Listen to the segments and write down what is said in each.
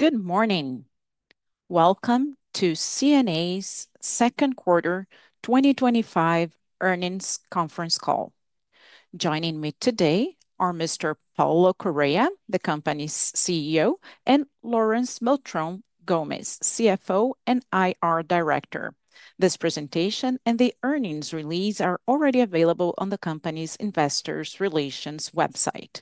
Good morning. Welcome to C&A's Second Quarter 2025 Earnings Conference Call. Joining me today are Mr. Paulo Correa, the company's CEO, and Laurence Beltrão Gomes, CFO and IR Director. This presentation and the earnings release are already available on the Company's Investor Relations website.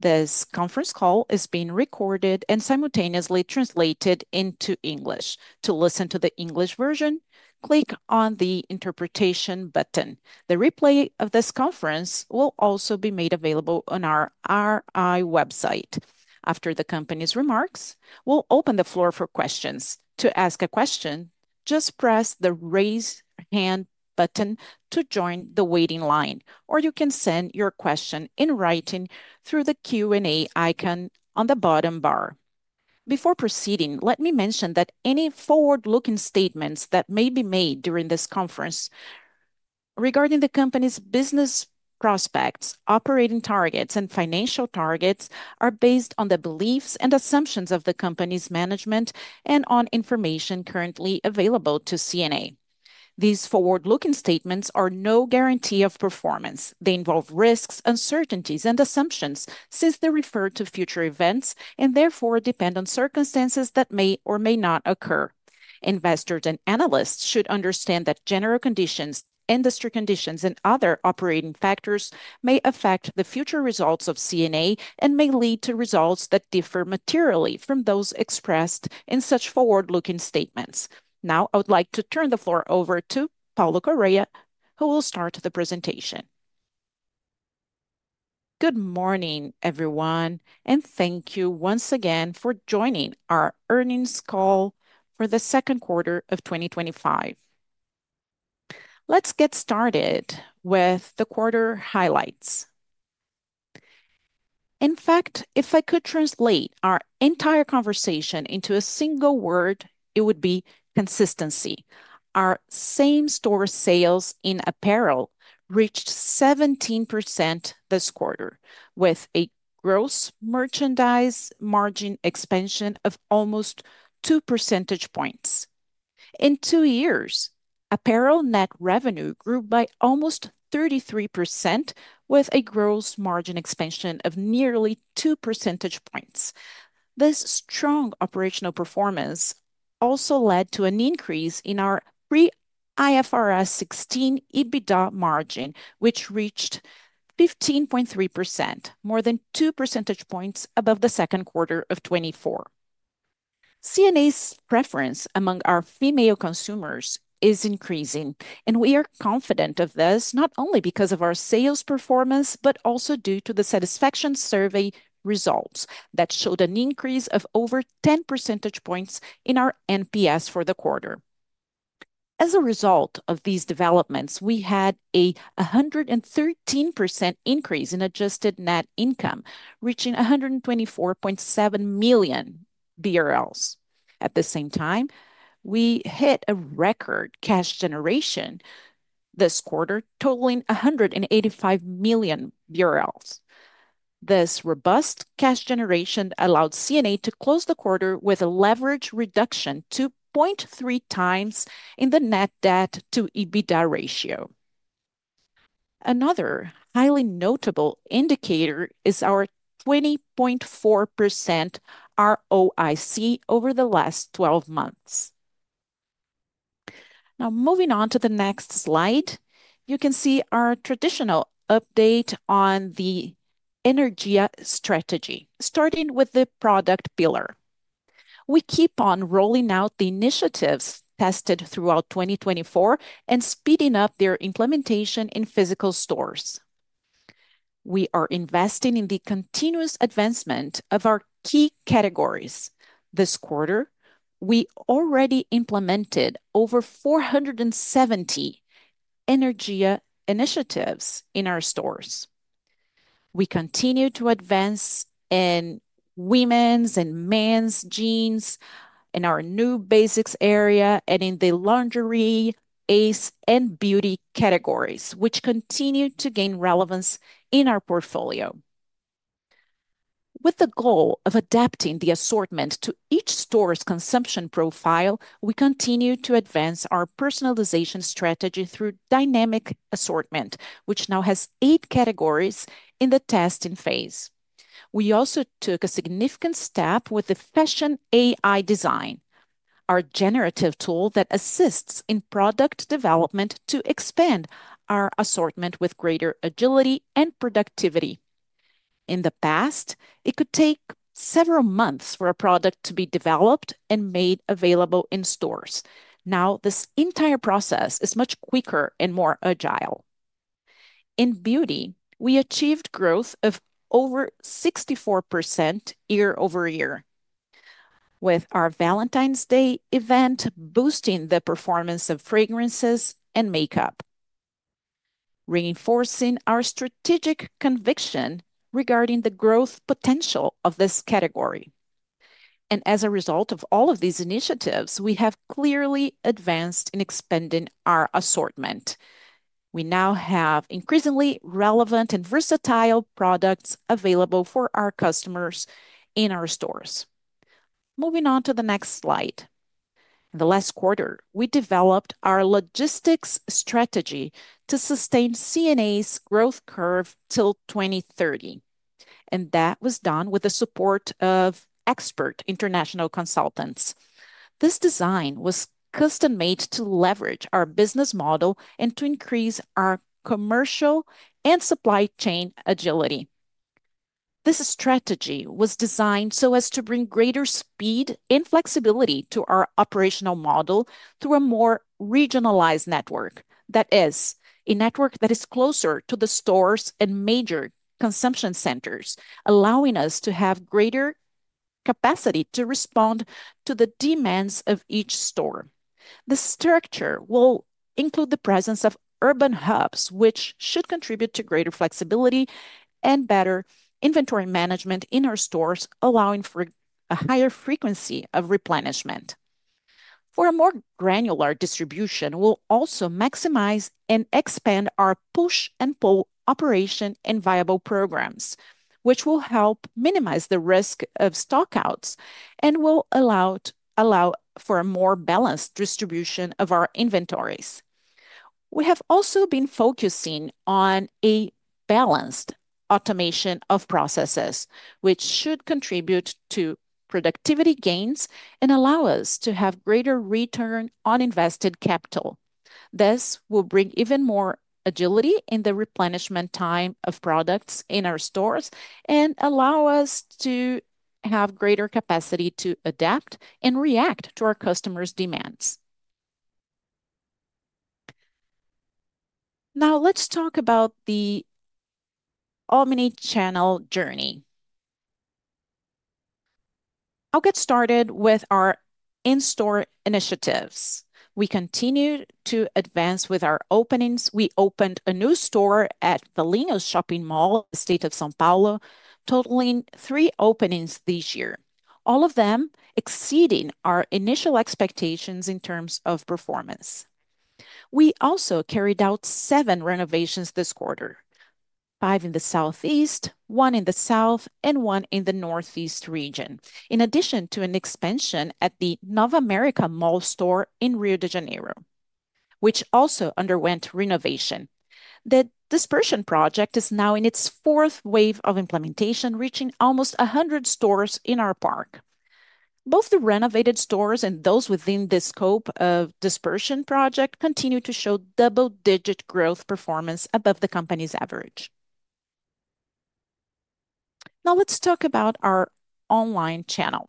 This conference call is being recorded and simultaneously translated into English. To listen to the English version, click on the Interpretation button. The replay of this conference will also be made available on our RI website. After the company's remarks, we'll open the floor for questions. To ask a question, just press the Raise hand button to join the waiting line. You can send your question in writing through the Q&A icon on the bottom bar. Before proceeding, let me mention that any forward-looking statements that may be made during this conference regarding the company's business prospects, operating targets, and financial targets are based on the beliefs and assumptions of the company's management and on information currently available to C&A. These forward-looking statements are no guarantee of performance. They involve risks, uncertainties, and assumptions since they refer to future events and therefore depend on circumstances that may or may not occur. Investors and analysts should understand that general conditions, industry conditions, and other operating factors may affect the future results of C&A and may lead to results that differ materially from those expressed in such forward-looking statements. Now I would like to turn the floor over to Paulo Correa who will start the presentation. Good morning everyone and thank you once again for joining our earnings call for the second quarter of 2025. Let's get started with the quarter highlights. In fact, if I could translate our entire conversation into a single word, it would be consistency. Our same-store sales in apparel reached 17% this quarter with a gross merchandise margin expansion of almost 2 percentage points. In two years, apparel net revenue grew by almost 33% with a gross margin expansion of nearly 2 percentage points. This strong operational performance also led to an increase in our RE IFRS 16 EBITDA margin which reached 15.3%, more than 2 percentage points above the second quarter of 2024. C&A's preference among our female consumers is increasing and we are confident of this not only because of our sales performance, but also due to the satisfaction survey results that showed an increase of over 10 percentage points in our NPS for the quarter. As a result of these developments, we had a 113% increase in adjusted net income, reaching 124.7 million BRL. At the same time, we hit a record cash generation this quarter totaling 185 million BRL. This robust cash generation allowed C&A to close the quarter with a leverage reduction, 2.3x in the net debt to EBITDA ratio. Another highly notable indicator is our 20.4% ROIC over the last 12 months. Now moving on to the next slide, you can see our traditional update on the Energia strategy. Starting with the product pillar, we keep on rolling out the initiatives tested throughout 2024 and speeding up their implementation in physical stores. We are investing in the continuous advancement of our key categories. This quarter we already implemented over 470 Energia initiatives in our stores. We continue to advance in women's and men's jeans in our new basics area and in the lingerie, Ace, and beauty categories, which continue to gain relevance in our portfolio with the goal of adapting the assortment to each store's consumption profile. We continue to advance our personalization strategy through dynamic assortment, which now has eight categories. In the testing phase, we also took a significant step with the Fashion AI Design, our generative tool that assists in product development to expand our assortment with greater agility and productivity. In the past, it could take several months for a product to be developed and made available in stores. Now this entire process is much quicker and more agile. In beauty, we achieved growth of over 64% year-over-year with our Valentine's Day event, boosting the performance of fragrances and makeup, reinforcing our strategic conviction regarding the growth potential of this category. As a result of all of these initiatives, we have clearly advanced in expanding our assortment. We now have increasingly relevant and versatile products available for our customers in our stores. Moving on to the next slide, the last quarter we developed our logistics strategy to sustain C&A's growth curve till 2030 and that was done with the support of expert international consultants. This design was custom made to leverage our business model and to increase our commercial and supply chain agility. This strategy was designed so as to bring greater speed and flexibility to our operational model through a more regionalized network, that is, a network that is closer to the stores and major consumption centers, allowing us to have greater capacity to respond to the demands of each store. The structure will include the presence of urban hubs, which should contribute to greater flexibility and better inventory management in our stores, allowing for a higher frequency of replenishment for a more granular distribution. We'll also maximize and expand our push and pull implementation and viable programs, which will help minimize the risk of stock outs and will allow for a more balanced distribution of our inventories. We have also been focusing on a balanced automation of processes, which should contribute to productivity gains and allow us to have greater return on invested capital. This will bring even more agility in the replenishment time of products in our stores and allow us to have greater capacity to adapt and react to our customers' demands. Now let's talk about the omnichannel journey. I'll get started with our in-store initiatives. We continue to advance with our openings. We opened a new store at the Linos Shopping Mall, state of São Paulo, totaling three openings this year, all of them exceeding our initial expectations in terms of performance. We also carried out seven store renovations this quarter, five in the Southeast, one in the South, and one in the Northeast region, in addition to an expansion at the Nova America Mall store in Rio de Janeiro, which also underwent renovation. The Dispersion project is now in its fourth wave of implementation, reaching almost 100 stores in our park. Both the renovated stores and those within the scope of the Dispersion project continue to show double-digit growth performance above the company's average. Now let's talk about our online channel.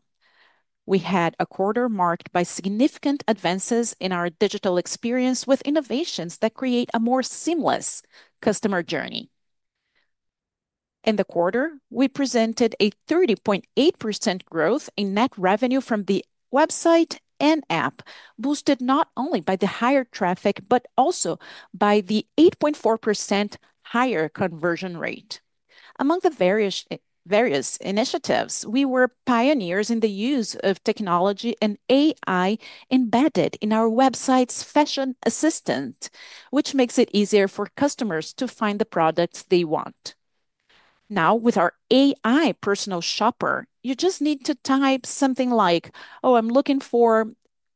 We had a quarter marked by significant advances in our digital experience with innovations that create a more seamless customer journey. In the quarter, we presented a 30.8% growth in net revenue from the website and C&A app, boosted not only by the higher traffic, but also by the 8.4% higher conversion rate. Among the various initiatives, we were pioneers in the use of technology and AI embedded in our website's fashion assistant, which makes it easier for customers to find the products they want. Now, with our AI personal shopper, you just need to type something like oh, I'm looking for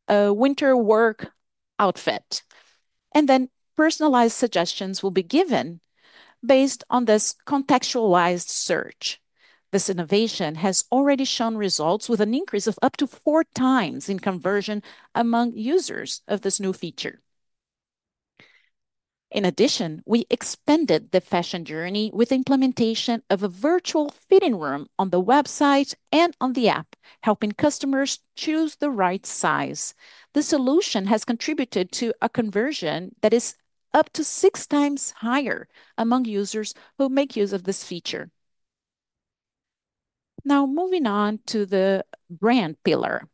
a winter work outfit and then personalized suggestions will be given based on this contextualized search. This innovation has already shown results with an increase of up to four times in conversion among users of this new feature. In addition, we expanded the fashion journey with implementation of a virtual fitting room on the website and on the C&A app, helping customers choose the right size. The solution has contributed to a conversion that is up to six times higher among users who make use of this feature. Now moving on to the brand pillar,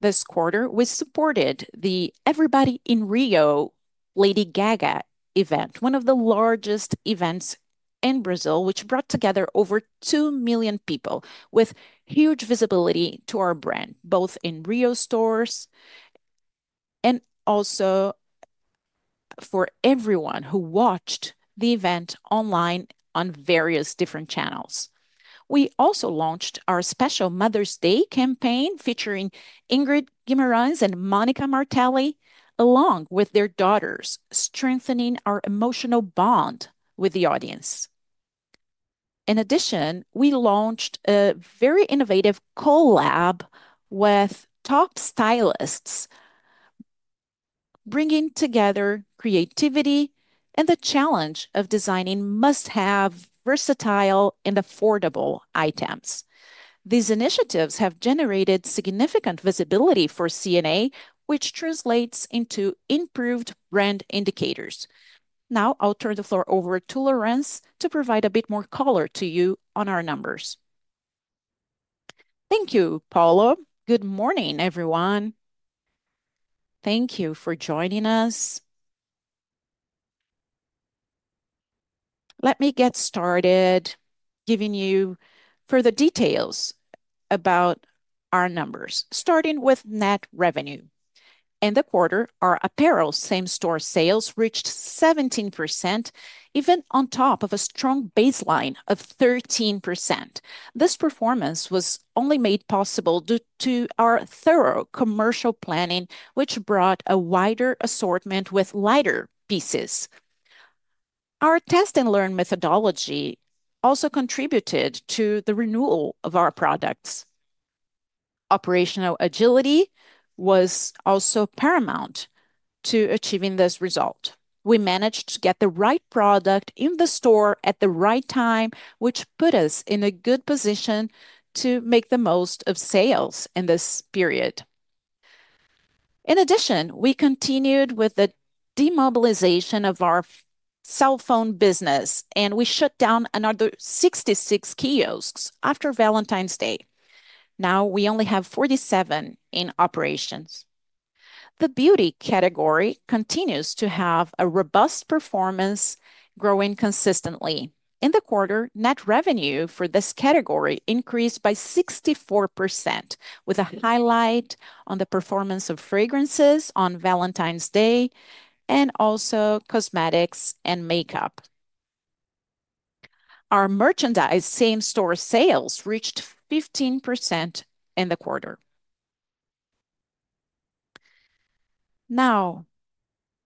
this quarter we supported the Everybody in Rio Lady Gaga event, one of the largest events in Brazil, which brought together over 2 million people with huge visibility to our brand, both in Rio stores and also for everyone who watched the event online on various different channels. We also launched our special Mother's Day campaign featuring Ingrid Guimarães and Monica Martelli along with their daughters, strengthening our emotional bond with the audience. In addition, we launched a very innovative collab with top stylists, bringing together creativity and the challenge of designing must-have versatile and affordable items. These initiatives have generated significant visibility for C&A, which translates into improved brand indicators. Now I'll turn the floor over to Laurence to provide a bit more color to you on our numbers. Thank you Paulo. Good morning everyone. Thank you for joining us. Let me get started giving you further details about our numbers starting with net revenue. In the quarter, our apparel same-store sales reached 17% even on top of a strong baseline of 13%. This performance was only made possible due to our thorough commercial planning, which brought a wider assortment with lighter pieces. Our test and learn methodology also contributed to the renewal of our products. Operational agility was also paramount to achieving this result. We managed to get the right product in the store at the right time, which put us in a good position to make the most of sales in this period. In addition, we continued with the demobilization of our cell phone business and we shut down another 66 kiosks after Valentine's Day. Now we only have 47 in operations. The beauty category continues to have a robust performance, growing consistently in the quarter. Net revenue for this category increased by 64% with a highlight on the performance of fragrance Valentine's Day and also cosmetics and makeup. Our merchandise same-store sales reached 15% in the quarter. Now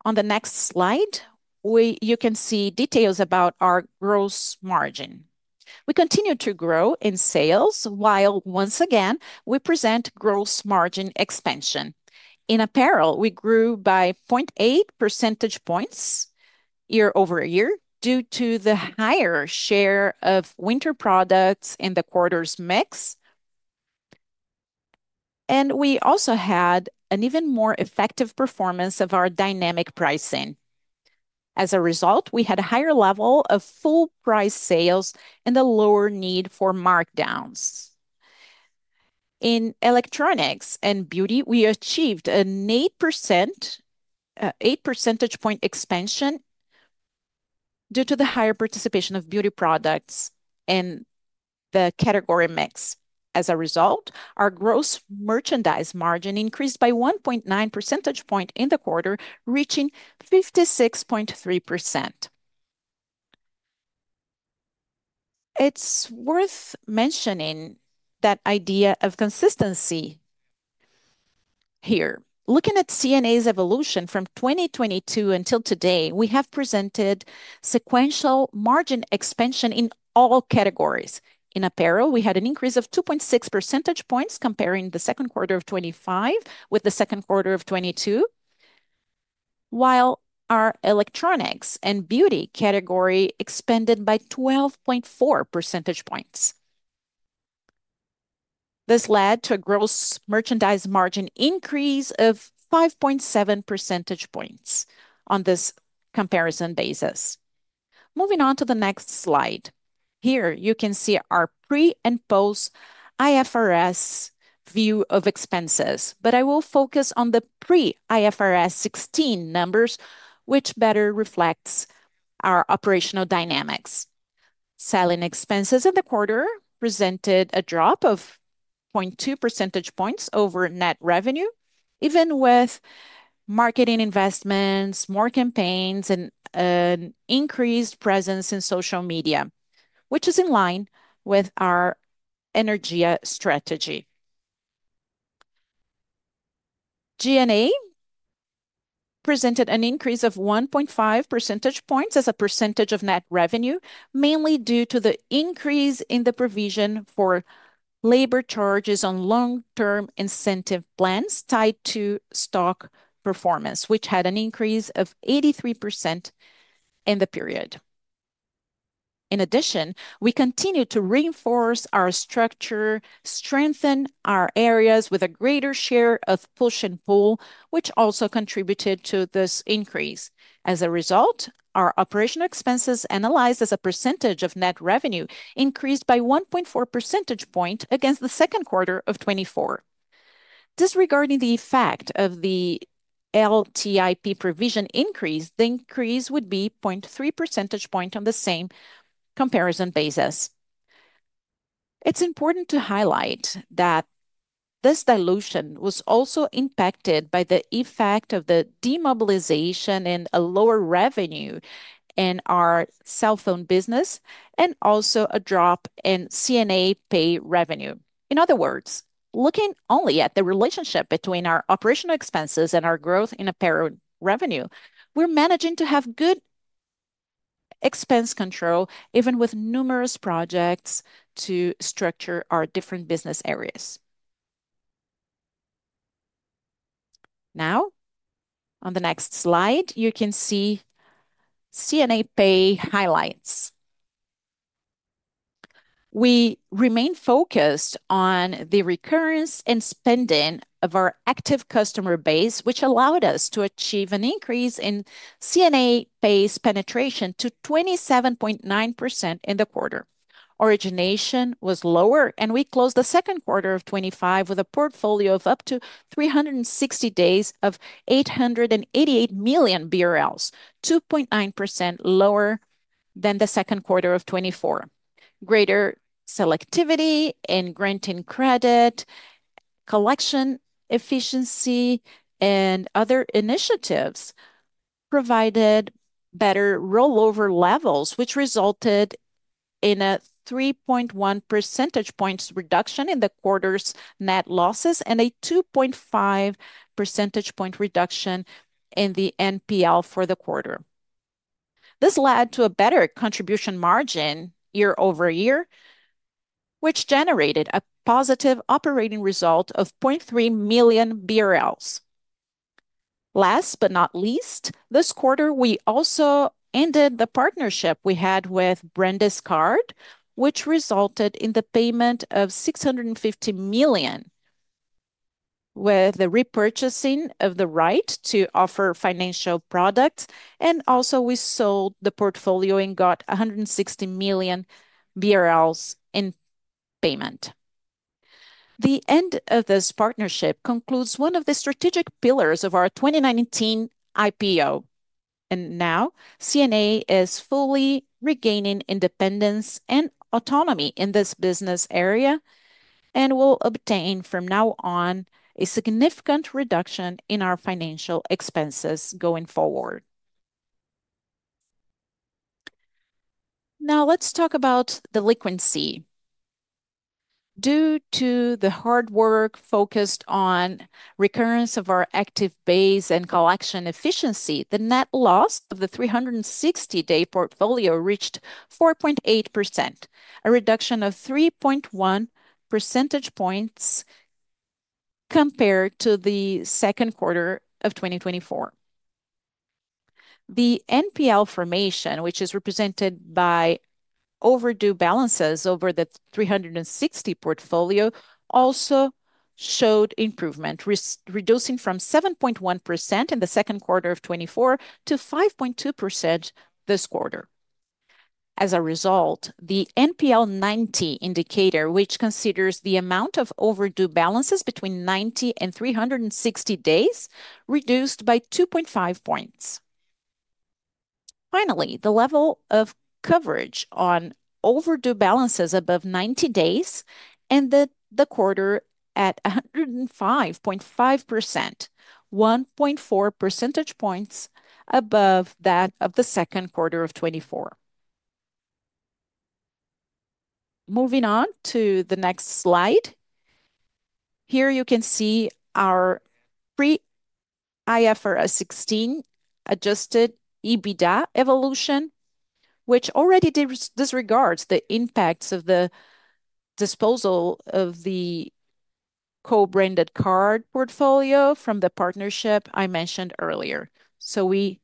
on the next slide you can see details about our gross margin. We continue to grow in sales while once again we present gross margin expansion. In apparel, we grew by 0.8 percentage points year-over-year due to the higher share of winter products in the quarter's mix, and we also had an even more effective performance of our dynamic pricing. As a result, we had a higher level of full price sales and a lower need for markdowns. In electronics and beauty, we achieved an 8 percentage point expansion due to the higher participation of beauty products in the category mix. As a result, our gross merchandise margin increased by 1.9 percentage points in the quarter, reaching 56.3%. It's worth mentioning that idea of consistency here. Looking at C&A's evolution from 2022 until today, we have presented sequential margin expansion in all categories. In apparel, we had an increase of 2.6 percentage points comparing the second quarter of 2025 with the second quarter of 2022, while our electronics and beauty category expanded by 12.4 percentage points. This led to a gross merchandise margin increase of 5.7 percentage points on this comparison basis. Moving on to the next slide, here you can see our pre and post IFRS view of expenses, but I will focus on the pre IFRS 16 numbers which better reflects our operational dynamics. Selling expenses in the quarter presented a drop of 0.2 percentage points over net revenue even with marketing investments, more campaigns, and an increased presence in social media, which is in line with our Energia strategy. G&A presented an increase of 1.5 percentage points as a percentage of net revenue, mainly due to the increase in the provision for labor charges on long-term incentive plans tied to stock performance, which had an increase of 83% in the period. In addition, we continue to reinforce our structure, strengthen our areas with a greater share of push and pull, which also contributed to this increase. As a result, our operational expenses analyzed as a percentage of net revenue increased by 1.4 percentage point against the second quarter of 2024. Disregarding the effect of the LTIP provision increase, the increase would be 0.3 percentage point on the same comparison basis. It's important to highlight that this dilution was also impacted by the effect of the demobilization and a lower revenue in our cell phone business and also a drop in C&A Pay revenue. In other words, looking only at the relationship between our operational expenses and our growth in apparel revenue, we're managing to have good expense control even with numerous projects to structure our different business areas. Now on the next slide you can see C&A Pay highlights. We remain focused on the recurrence and spending of our active customer base, which allowed us to achieve an increase in C&A Pay's penetration to 27.9% in the quarter. Origination was lower and we closed the second quarter of 2025 with a portfolio of up to 360 days of 888 million BRL, 2.9% lower than the second quarter of 2024. Greater selectivity in granting credit, collection efficiency, and other initiatives provided better rollover levels, which resulted in a 3.1 percentage points reduction in the quarter's net losses and a 2.5 percentage point reduction in the NPL for the quarter. This led to a better contribution margin year-over-year, which generated a positive operating result of 0.3 million BRL. Last but not least, this quarter we also ended the partnership we had with bradescard, which resulted in the payment of 650 million with the repurchasing of the right to offer financial products, and also we sold the portfolio and got 116 million BRL in payment. The end of this partnership concludes one of the strategic pillars of our 2019 IPO, and now C&A is fully regaining independence and autonomy in this business area and will obtain from now on a significant reduction in our financial expenses going forward. Now let's talk about delinquency. Due to the hard work focused on recurrence of our active base and collection efficiency, the net loss of the 360 day portfolio reached 4.8%, a reduction of 3.1 percentage points compared to the second quarter of 2024. The NPL formation, which is represented by overdue balances over the 360 portfolio, also showed improvement, reducing from 7.1% in second quarter of 2024 to 5.2% by this quarter. As a result, the NPL 90 indicator, which considers the amount of overdue balances between 90 and 360 days, reduced by 2.5 points. Finally, the level of coverage on overdue balances above 90 days ended the quarter at 105.5%, 1.4 percentage points above that of the second quarter of 2024. Moving on to the next slide, here you can see our pre-IFRS 16 adjusted EBITDA evolution, which already disregards the impacts of the disposal of the co-branded card portfolio from the partnership I mentioned earlier. We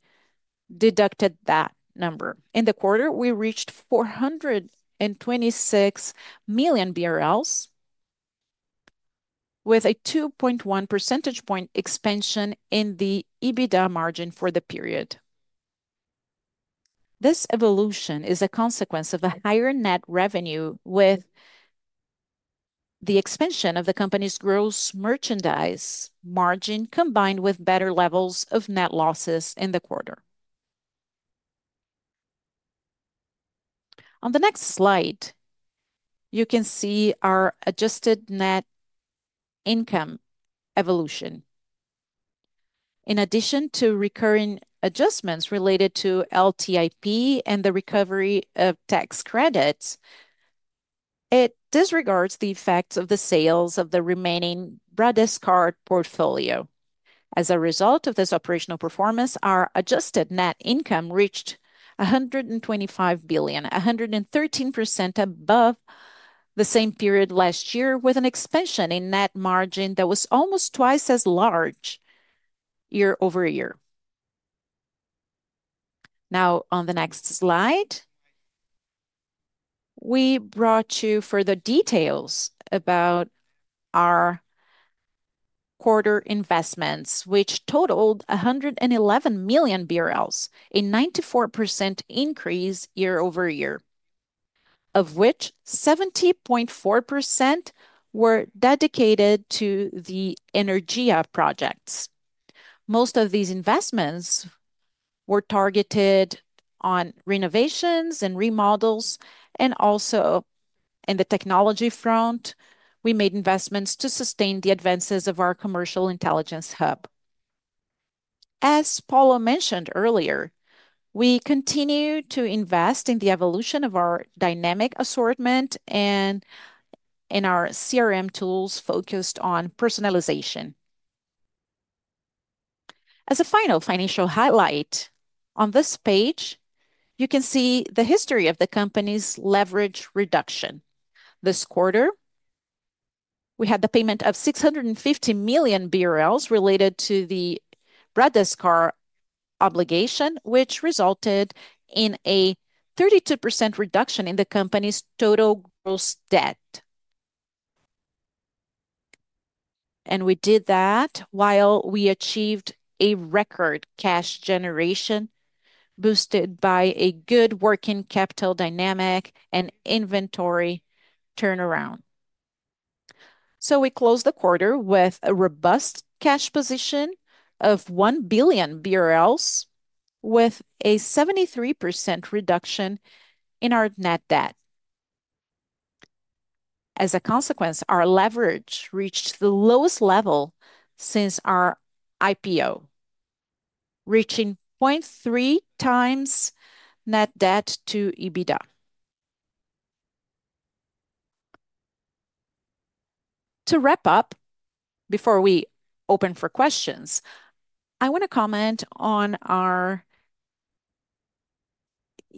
deducted that number. In the quarter, we reached 426 million BRL with a 2.1 percentage point expansion in the EBITDA margin for the period. This evolution is a consequence of a higher net revenue with the expansion of the company's gross merchandise margin combined with better levels of net losses in the quarter. On the next slide, you can see our adjusted net income evolution. In addition to recurring adjustments related to LTIP and the recovery of tax credits, it disregards the effects of the sales of the remaining bradescard portfolio. As a result of this operational performance, our adjusted net income reached 125 million, 113% above the same period last year, with an expansion in net margin that was almost twice as large year-over-year. On the next slide, we brought you further details about our quarter investments, which totaled 111 million BRL, a 94% increase year-over-year, of which 70.4% were dedicated to the Energia strategy projects. Most of these investments were targeted on renovations and remodels, and also in the technology front we made investments to sustain the advances of our commercial intelligence hub. As Paulo mentioned earlier, we continue to invest in the evolution of our dynamic assortment model and in our CRM actions focused on personalization. As a final financial highlight, on this page you can see the history of the company's leverage reduction. This quarter, we had the payment of 650 million BRL related to the bradescard obligation, which resulted in a 32% reduction in the company's total gross debt. We did that while we achieved a record cash generation, boosted by a good working capital dynamic and inventory turnaround. We closed the quarter with a robust cash position of 1 billion BRL, with a 73% reduction in our net debt. As a consequence, our leverage reached the lowest level since our IPO, reaching 0.3x net debt to EBITDA. To wrap up, before we open for questions, I want to comment on our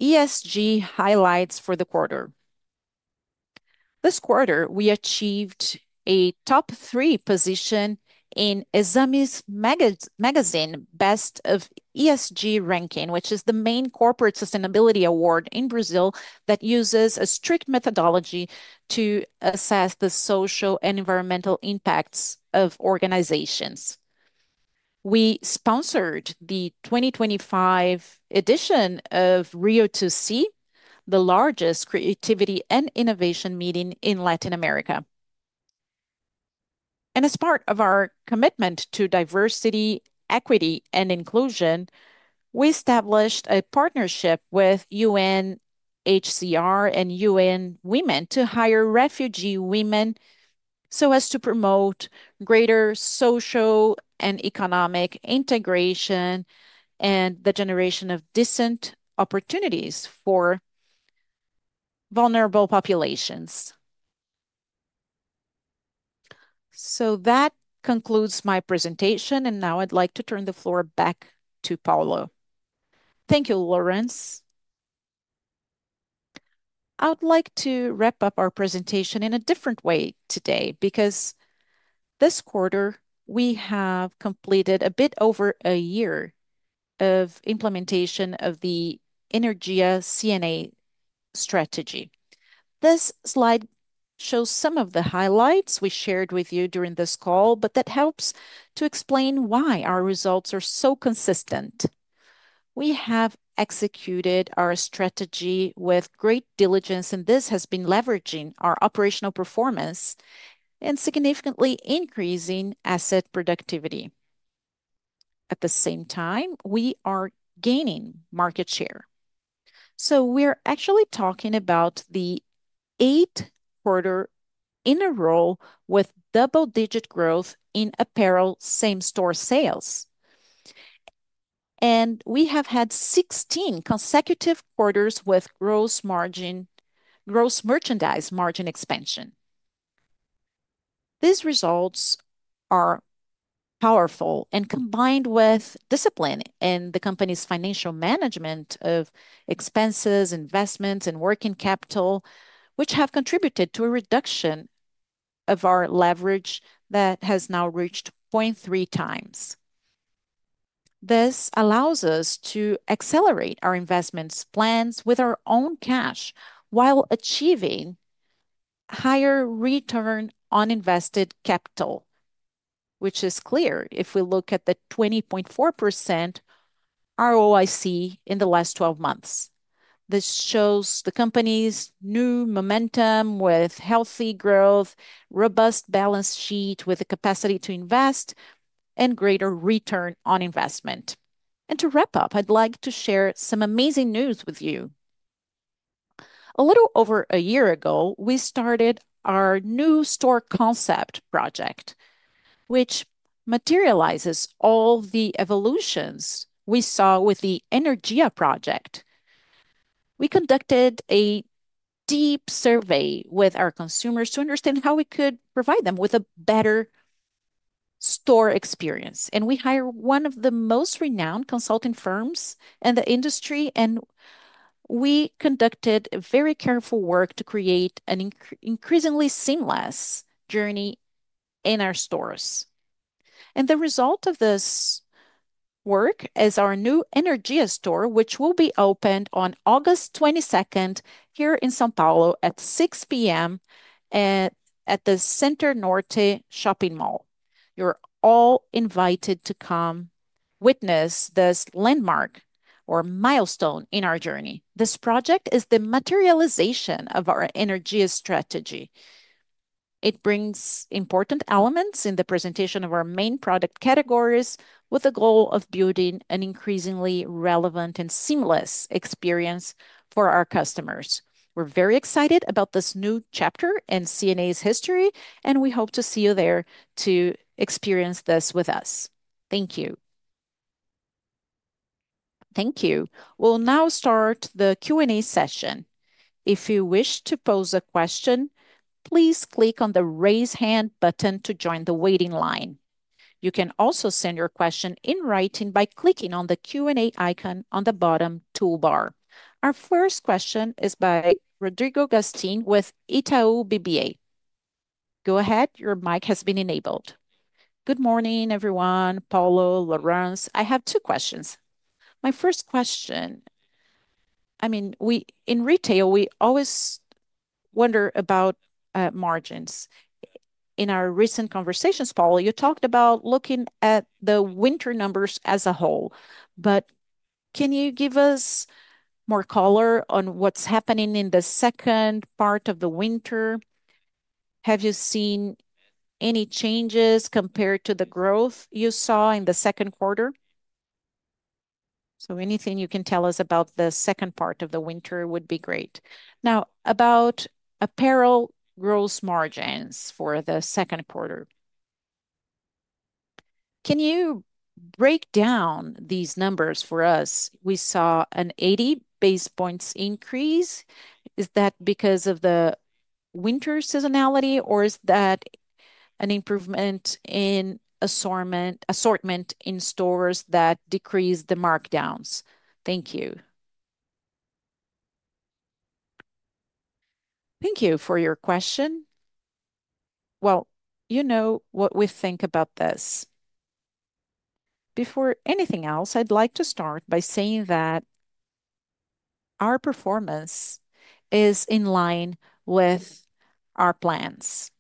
ESG highlights for the quarter. This quarter we achieved a top three position in Exame magazine's Best of ESG Ranking, which is the main corporate sustainability award in Brazil that uses a strict methodology to assess the social and environmental impacts of organizations. We sponsored the 2025 edition of Rio 2C, the largest creativity and innovation meeting in Latin America, and as part of our commitment to diversity, equity, and inclusion, we established a partnership with UNHCR and UN Women to hire refugee women to promote greater social and economic integration and the generation of decent opportunities for vulnerable populations. That concludes my presentation and now I'd like to turn the floor back to Paulo. Thank you, Laurence. I'd like to wrap up our presentation in a different way today because this quarter we have completed a bit over a year of implementation of the Energia C&A strategy. This slide shows some of the highlights we shared with you during this call, but that helps to explain why our results are so consistent. We have executed our strategy with great diligence and this has been leveraging our operational performance and significantly increasing asset productivity. At the same time, we are gaining market share. We are actually talking about the eighth quarter in a row with double-digit growth in apparel same-store sales, and we have had 16 consecutive quarters with gross merchandise margin expansion. These results are powerful and combined with discipline in the company's financial management of expenses, investments, and working capital, which have contributed to a reduction of our leverage that has now reached 0.3x. This allows us to accelerate our investment plans with our own cash while achieving higher return on invested capital, which is clear if we look at the 20.4% ROIC in the last 12 months. This shows the company's new momentum with healthy growth, a robust balance sheet with the capacity to invest, and greater return on investment. To wrap up, I'd like to share some amazing news with you. A little over a year ago, we started our new store concept project, which materializes all the evolutions we saw with the Energia project. We conducted a deep survey with our consumers to understand how we could provide them with a better store experience. We hired one of the most renowned consulting firms in the industry and we conducted very careful work to create an increasingly seamless journey in our stores. The result of this work is our new Energia store, which will be opened on August 22 here in São Paulo at 6:00 P.M. at the Center Norte Shopping Mall. You're also all invited to come witness this landmark or milestone in our journey. This project is the materialization of our Energia strategy. It brings important elements in the presentation of our main product categories with the goal of building an increasingly relevant and seamless experience for our customers. We're very excited about this new chapter in C&A's history and we hope to see you there to experience this with us. Thank you. Thank you. We'll now start the Q&A session. If you wish to pose a question, please click on the Raise Hand button to join the waiting line. You can also send your question in writing by clicking on the Q&A icon on the bottom toolbar. Our first question is by [Rodrigo Gastine] with Itaú BBA. Go ahead. Your mic has been enabled. Good morning everyone. Paulo, Laurence, I have two questions. My first question, I mean, in retail we always wonder about margins. In our recent conversations, Paulo, you talked about looking at the winter numbers as a whole, but can you give us more color on what's happening in the second part of the winter? Have you seen any changes compared to the growth you saw in the second quarter? Anything you can tell us about the second part of the winter would be great. Now, about apparel gross margins for the second quarter, can you break down these numbers for us? We saw an 80 basis points increase. Is that because of the winter seasonality or is that an improvement in assortment in stores that decreased the markdowns? Thank you. Thank you for your question. You know what, we think about this before anything else. I'd like to start by saying that our performance is in line with our plans.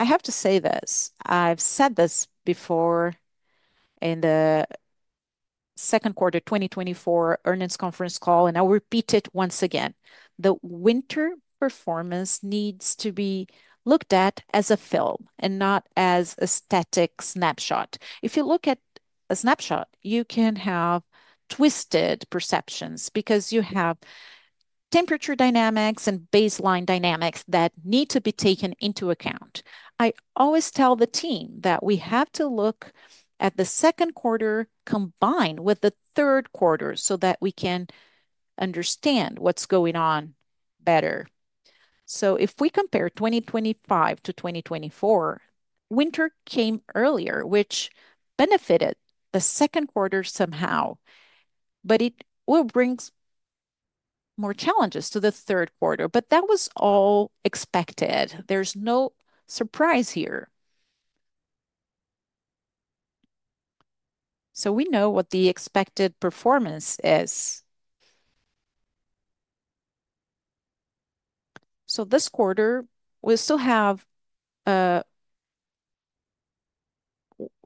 I have to say this, I've said this before. In the second quarter 2024 earnings conference call and I'll repeat it once again, the winter performance needs to be looked at as a film and not as a static snapshot. If you look at a snapshot, you can have twisted perceptions because you have temperature dynamics and baseline dynamics that need to be taken into account. I always tell the team that we have to look at the second quarter combined with the third quarter so that we can understand what's going on better. If we compare 2025 to 2024, winter came earlier, which benefited the second quarter somehow, but it will bring more challenges to the third quarter. That was all expected. There's no surprise here. We know what the expected performance is. This quarter we still have,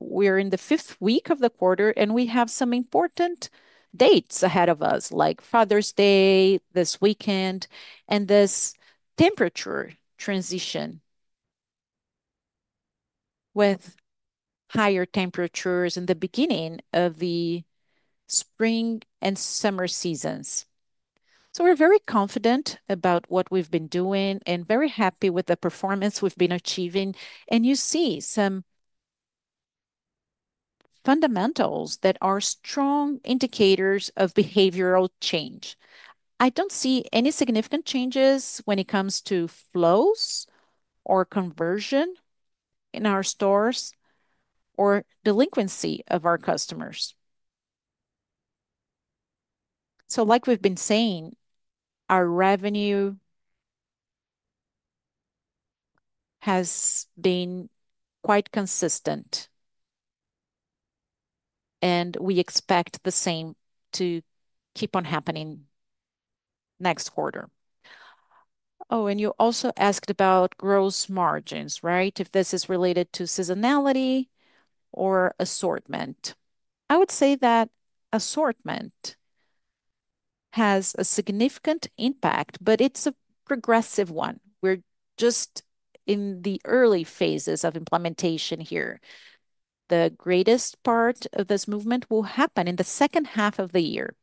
we are in the fifth week of the quarter and we have some important dates ahead of us, like Father's Day this weekend and this temperature transition with higher temperatures in the beginning of the spring and summer seasons. We're very confident about what we've been doing and very happy with the performance we've been achieving. You see some fundamentals that are strong indicators of behavioral change. I don't see any significant changes when it comes to flows or conversion in our stores or delinquency of our customers. Like we've been saying, our revenue has been quite consistent and we expect the same to keep on happening next quarter. Oh, and you also asked about gross margins, right? If this is related to seasonality or assortment, I would say that assortment has a significant impact, but it's a progressive one. We're just in the early phases of implementation here. The greatest part of this movement will happen in the second half of the year.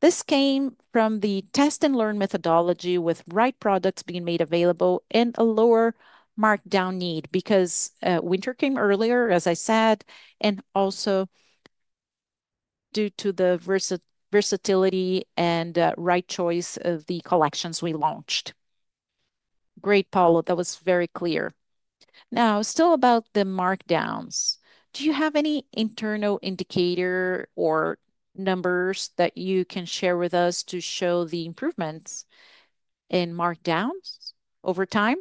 This came from the test and learn methodology with right products being made available in a lower markdown need because winter came earlier, as I said, and also due to the versatility and right choice of the collections we launched. Great, Paulo, that was very clear. Now, still about the markdowns, do you have any internal indicator or numbers that you can share with us to show the improvements and markdowns over time?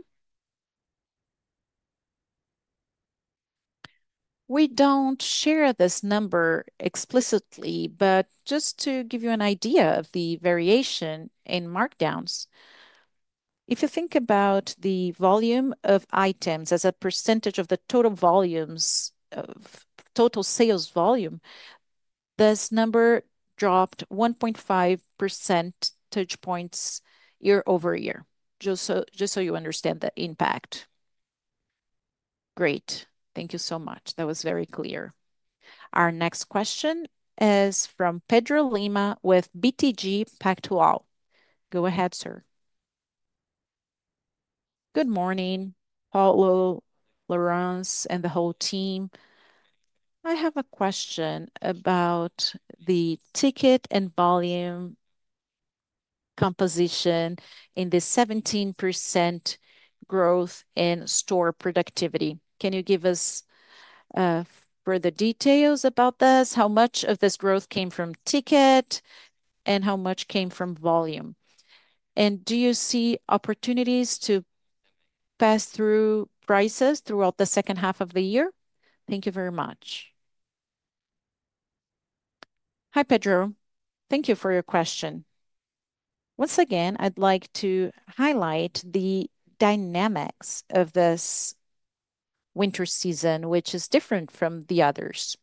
We don't share this number explicitly, but just to give you an idea of the variation in markdowns, if you think about the volume of items as a percentage of the total volumes of total sales volume, this number dropped 1.5% touch points year-over-year. Just so you understand the impact. Great. Thank you so much. That was very clear. Our next question is from Pedro Lima with BTG Pactual. Go ahead, sir. Good morning, Paulo, Laurence and the whole team. I have a question about the ticket and volume composition in this 17% growth in store productivity. Can you give us further details about this? How much of this growth came from ticket and how much came from volume? Do you see opportunities to pass through prices throughout the second half of the year? Thank you very much. Hi Pedro, thank you for your question. Once again, I'd like to highlight the dynamics of this winter season, which is different from the others.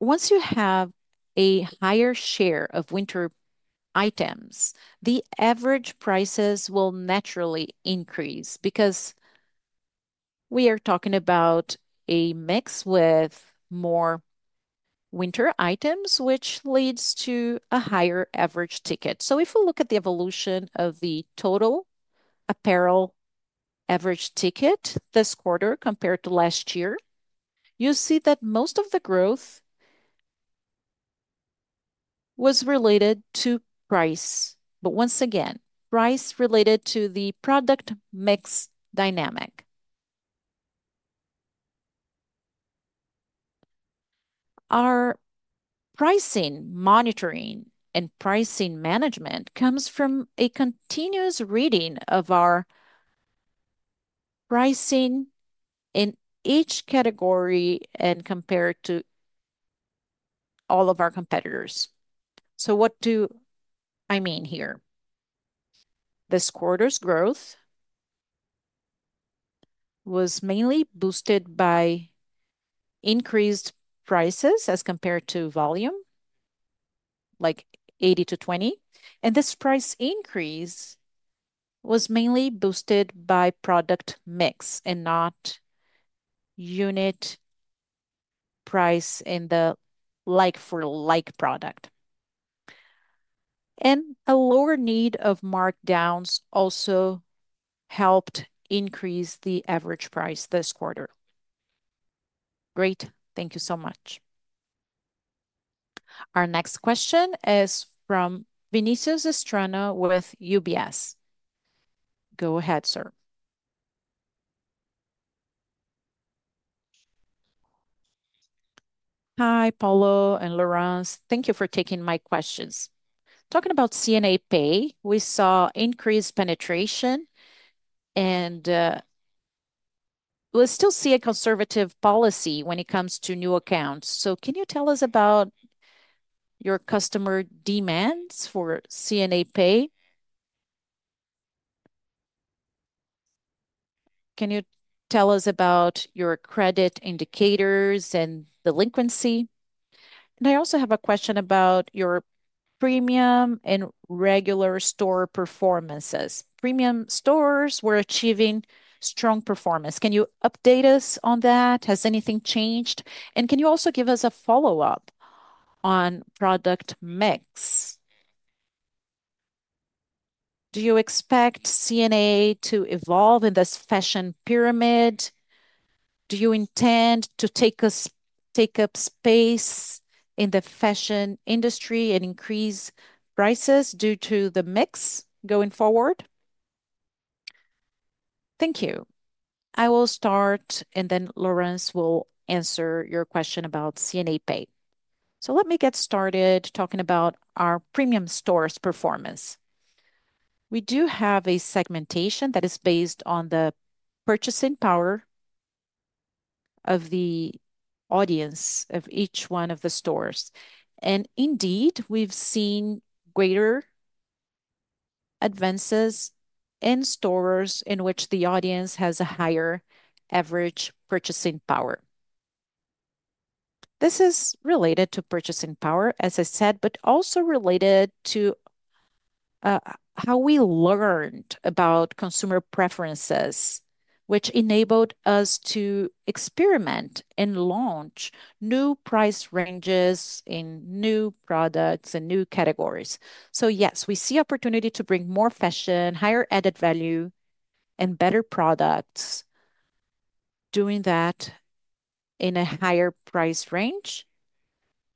Once you have a higher share of winter items, the average prices will naturally increase. Because we are talking about a mix with more winter items, which leads to a higher average ticket. If we look at the evolution of the total apparel average ticket this quarter compared to last year, you see that most of the growth was related to price, but once again, price related to the product mix dynamic. Our pricing monitoring and pricing management comes from a continuous reading of our pricing in each category and compared to all of our competitors. What do I mean here? This quarter's growth was mainly boosted by increased prices as compared to volume, like 80% to 20%. This price increase was mainly boosted by product mix and not unit price and the like-for-like product. A lower need of markdowns also helped increase the average price this quarter. Great. Thank you so much. Our next question is from Vinícius Strano with UBS. Go ahead, sir. Hi Paulo and Laurence, thank you for taking my questions. Talking about C&A Pay, we saw increased penetration and we still see a conservative policy when it comes to new accounts. Can you tell us about your customer demands for C&A Pay? Can you tell us about your credit indicators and delinquency? I also have a question about your premium and regular store performances. Premium stores were achieving strong performance. Can you update us on that? Has anything changed? Can you also give us a follow-up on product mix? Do you expect C&A to evolve in this fashion pyramid? Do you intend to take up space in the fashion industry and increase prices due to the mix going forward? Thank you. I will start and then Laurence will answer your question about C&A Pay. Let me get started talking about our premium stores performance. We do have a segmentation that is based on the purchasing power of the audience of each one of the stores. Indeed, we've seen greater advances in stores in which the audience has a higher average purchasing power. This is related to purchasing power, as I said, but also related to how we learned about consumer preferences, which enabled us to experiment and launch new price ranges in new products and new categories. Yes, we see opportunity to bring more fashion, higher added value, and better products. Doing that in a higher price range,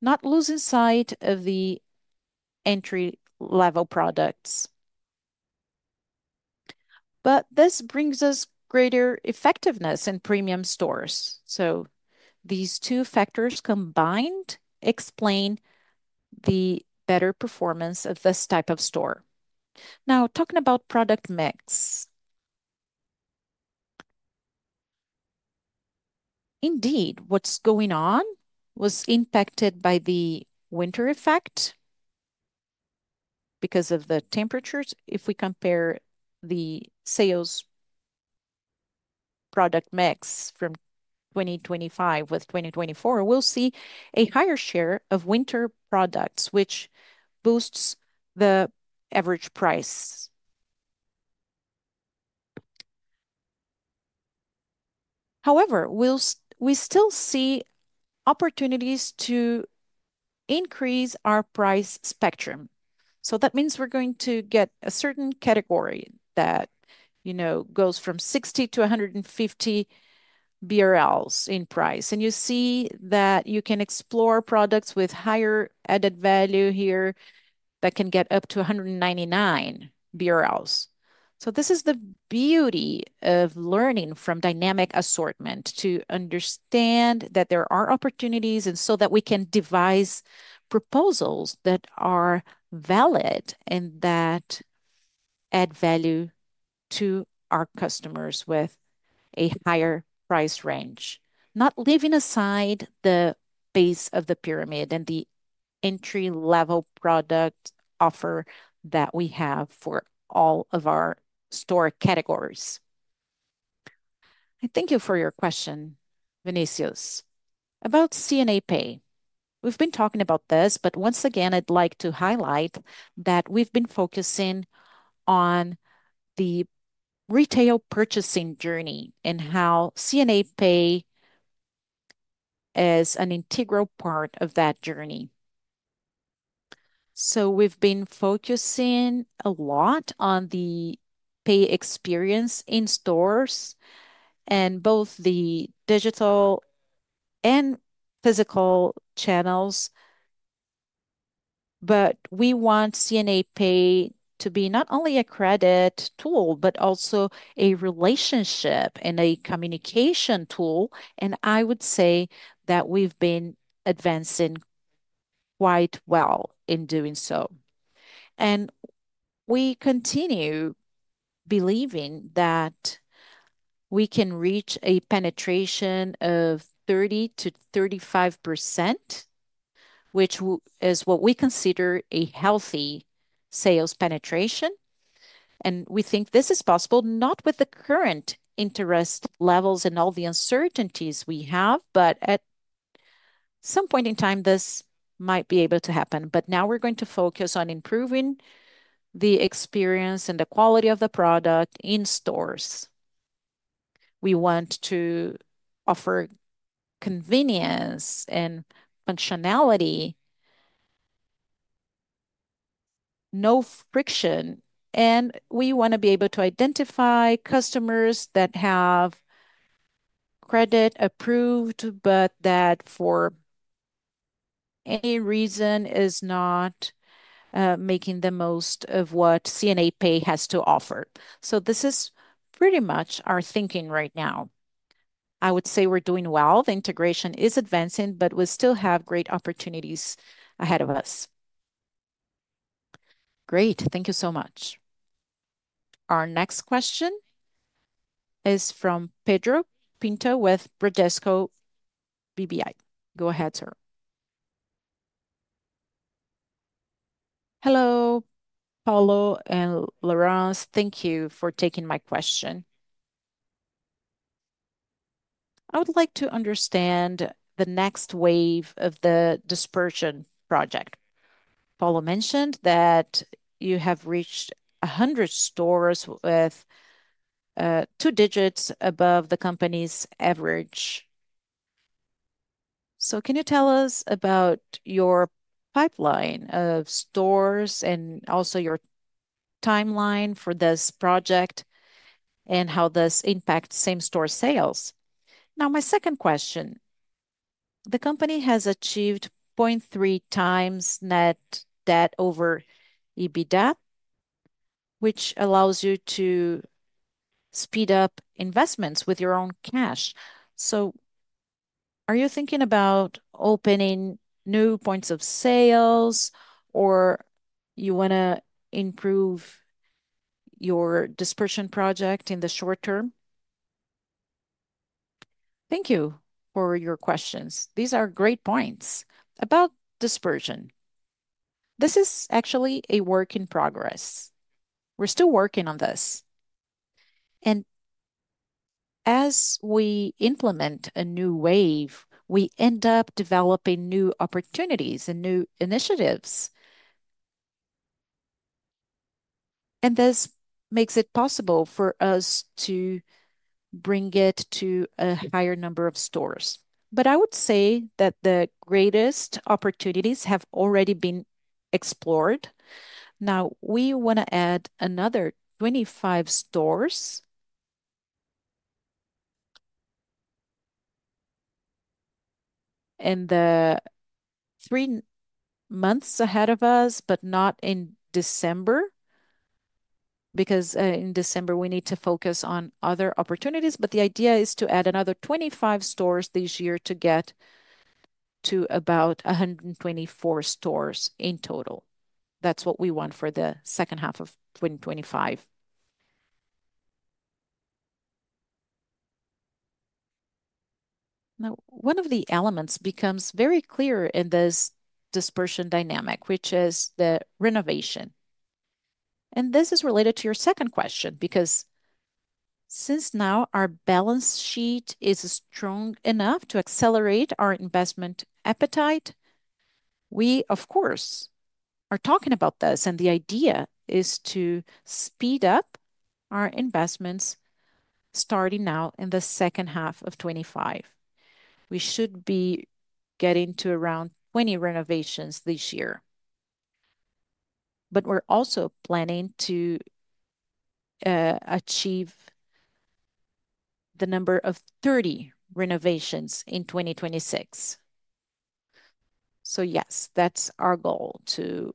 not losing sight of the entry-level products. This brings us greater effectiveness in premium stores. These two factors combined explain the better performance of this type of store. Now, talking about product mix, indeed, what's going on was impacted by the winter effect because of the temperatures. If we compare the sales product mix from 2025 with 2024, we'll see a higher share of winter products, which boosts the average price. However, we still see opportunities to increase our price spectrum. That means we're going to get a certain category that goes from 60 to 150 BRL in price, and you see that you can explore products with higher added value here that can get up to 199 BRL. This is the beauty of learning from dynamic assortment to understand that there are opportunities so that we can devise proposals that are valid and that add value to our customers with a higher price range, not leaving aside the base of the pyramid and the entry-level product offer that we have for all of our store categories. Thank you for your question, Vinícius, about C&A Pay. We've been talking about this, but once again I'd like to highlight that we've been focusing on the retail purchasing journey and how C&A Pay is an integral part of that journey. We've been focusing a lot on the pay experience in stores and both the digital and physical channels. We want C&A Pay to be not only a credit tool, but also a relationship and a communication tool. I would say that we've been advancing quite well in doing so, and we continue believing that we can reach a penetration of 30%-35%, which is what we consider a healthy sales penetration. We think this is possible, not with the current interest levels and all the uncertainties we have, but at some point in time this might be able to happen. Now we're going to focus on improving the experience and the quality of the product in stores. We want to offer convenience and functionality, no friction, and we want to be able to identify customers that have credit approved but that for any reason are not making the most of what C&A Pay has to offer. This is pretty much our thinking right now. I would say we're doing well. The integration is advancing, but we still have great opportunities ahead of us. Thank you so much. Our next question is from Pedro Pinto with Bradesco BBI. Go ahead, turn. Hello Paulo and Laurence. Thank you for taking my question. I would like to understand the next wave of the dispersion project. Paulo mentioned that you have reached 100 stores with two digits above the company's average. Can you tell us about your pipeline of stores and also your timeline for this project and how this impacts same-store sales? Now my second question. The company has achieved 0.3x net debt over EBITDA, which allows you to speed up investments with your own cash. Are you thinking about opening new points of sales or do you want to improve your dispersion project in the short term? Thank you for your questions. These are great points about dispersion. This is actually a work in progress. We're still working on this. As we implement a new wave, we end up developing new opportunities and new initiatives. This makes it possible for us to bring it to a higher number of stores. I would say that the greatest opportunities have already been explored. Now we want to add another 25 stores and three months ahead of us, but not in December, because in December we need to focus on other opportunities. The idea is to add another 25 stores this year to get to about 124 stores in total. That's what we want for the second half of 2025. One of the elements becomes very clear in this dispersion dynamic, which is the renovation. This is related to your second question, because since now our balance sheet is strong enough to accelerate our investment appetite, we are talking about this. The idea is to speed up our investments starting now in the second half of 2025. We should be getting to around 20 renovations this year, but we're also planning to achieve the number of 30 renovations in 2026. Yes, that's our goal, to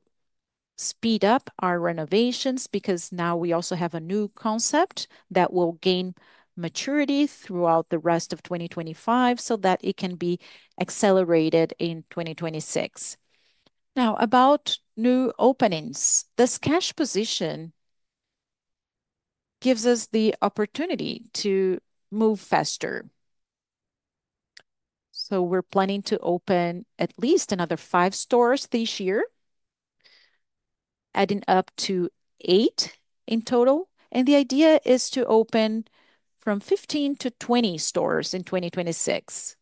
speed up our renovations. Now we also have a new concept that will gain maturity throughout the rest of 2025 so that it can be accelerated in 2026. Now, about new openings. This cash position gives us the opportunity to move faster. We're planning to open at least another five stores this year, adding up to eight in total. The idea is to open from 15-20 stores in 2026.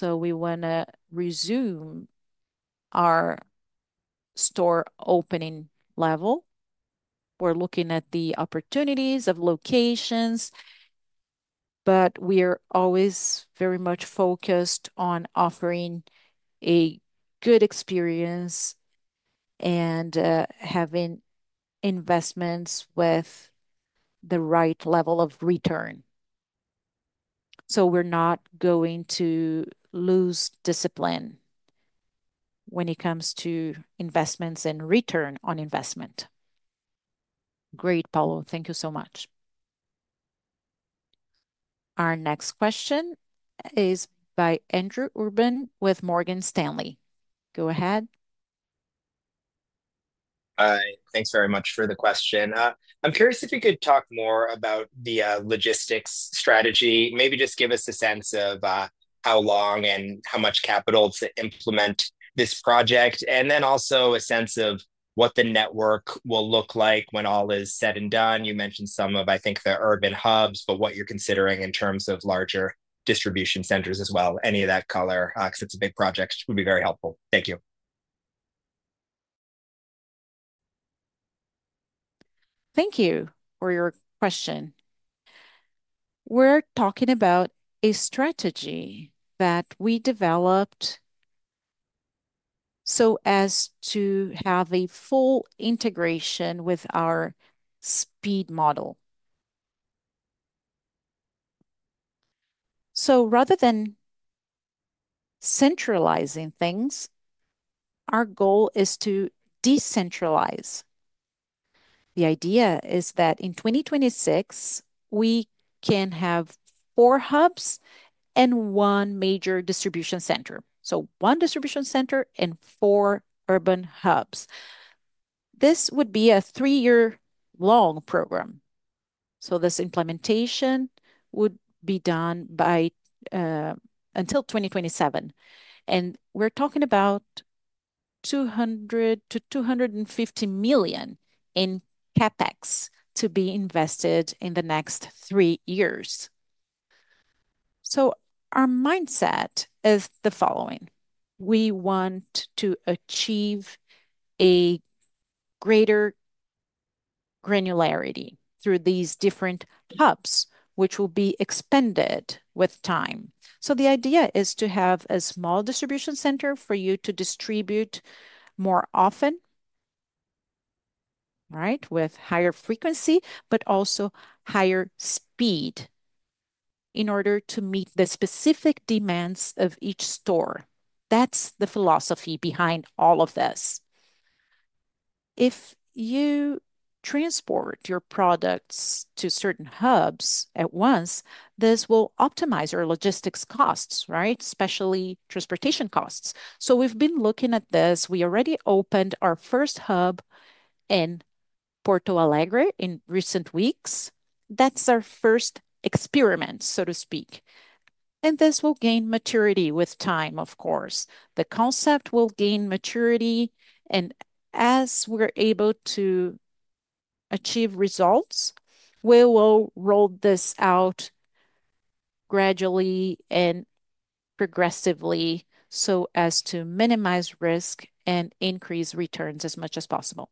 We want to resume our store opening level. We're looking at the opportunities of locations, but we are always very much focused on offering a good experience and having investments with the right level of return. We're not going to lose discipline when it comes to investments and return on investment. Great. Paulo, thank you so much. Our next question is by [Andrew Urban] with Morgan Stanley. Go ahead. Hi. Thanks very much for the question. I'm curious if you could talk more about the logistics strategy. Maybe just give us a sense of how long and how much capital to implement this project, and then also a sense of what the network will look like when all is said and done. You mentioned some of, I think, the urban hubs, but what you're considering in terms of larger distribution centers as well, any of that color, because it's a big project, would be very helpful. Thank you. Thank you for your question. We're talking about a strategy that we developed so as to have a full integration with our speed model. Rather than centralizing things, our goal is to decentralize. The idea is that in 2026 we can have four hubs and one major distribution center, so one distribution center and four urban hubs. This would be a three-year-long program. This implementation would be done by until 2027. We're talking about 200 million-250 million in CapEx to be invested in the next three years. Our mindset is the following: we want to achieve a greater granularity through these different hubs, which will be expanded with time. The idea is to have a small distribution center for you to distribute more often, right? With higher frequency, but also higher speed in order to meet the specific demands of each store. That's the philosophy behind all of this. If you transport your products to certain hubs at once, this will optimize your logistics costs, right? Especially transportation costs. We've been looking at this. We already opened our first hub in Porto Alegre in recent weeks. That's our first experiment, so to speak, and this will gain maturity with time. Of course, the concept will gain maturity, and as we're able to achieve results, we will roll this out gradually and progressively so as to minimize risk and increase returns as much as possible.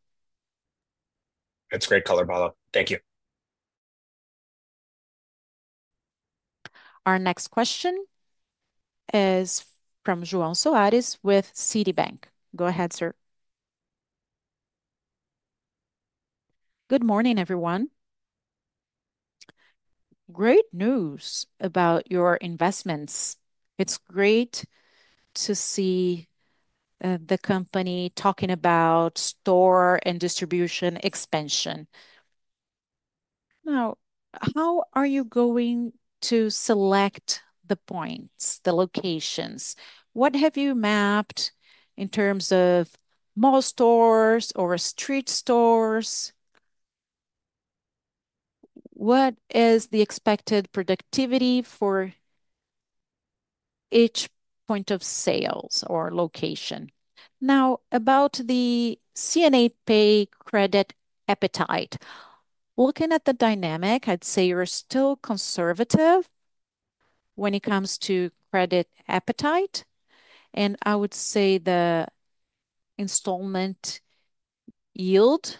That's great color, Paulo. Thank you. Our next question is from [Jon Soares] with Citibank. Go ahead, sir. Good morning everyone. Great news about your investments. It's great to see the company talking about store and distribution expansion. Now, how are you going to select the points, the locations? What have you mapped in terms of mall stores or street stores? What is the expected productivity for each point of sales or location? Now about the C&A Pay credit appetite. Looking at the dynamic, I'd say you're still conservative when it comes to credit appetite. I would say the installment yield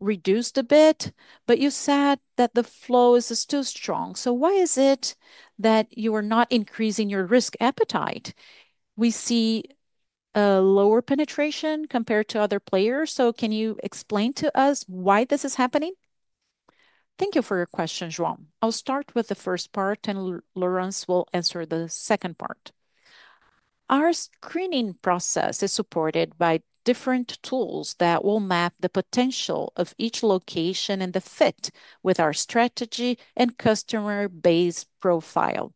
reduced a bit. You said that the flow is too strong. Why is it that you are not increasing your risk appetite? We see a lower penetration compared to other players. Can you explain to us why this is happening? Thank you for your question, [Jon]. I'll start with the first part and Laurence will answer the second part. Our screening process is supported by different tools that will map the potential of each location and the fit with our strategy and customer base profile.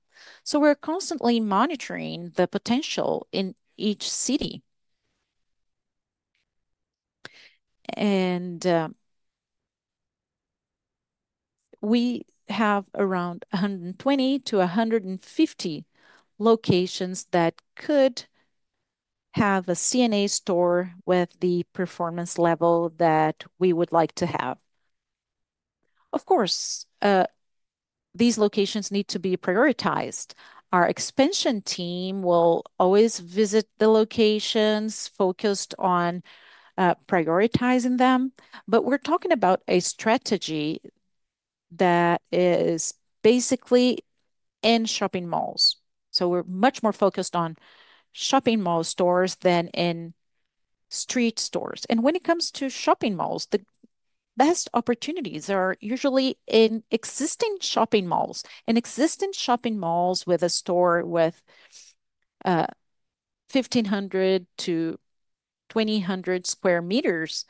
We're constantly monitoring the potential in each city and we have around 120-150 locations that could have a C&A store with the performance level that we would like to have. Of course, these locations need to be prioritized. Our expansion team will always visit the locations focused on prioritizing them. We're talking about a strategy that is basically in shopping malls. We're much more focused on shopping mall stores than in street stores. When it comes to shopping malls, the best opportunities are usually in existing shopping malls. With a store with 1,500 square meters-2,000 square meters,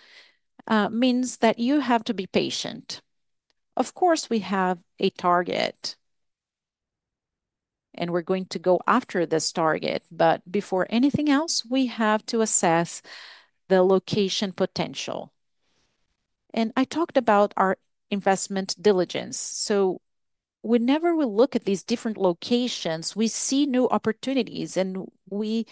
you have to be patient. We have a target and we're going to go after this target. Before anything else, we have to assess the location potential. I talked about our investment diligence. Whenever we look at these different locations, we see new opportunities. We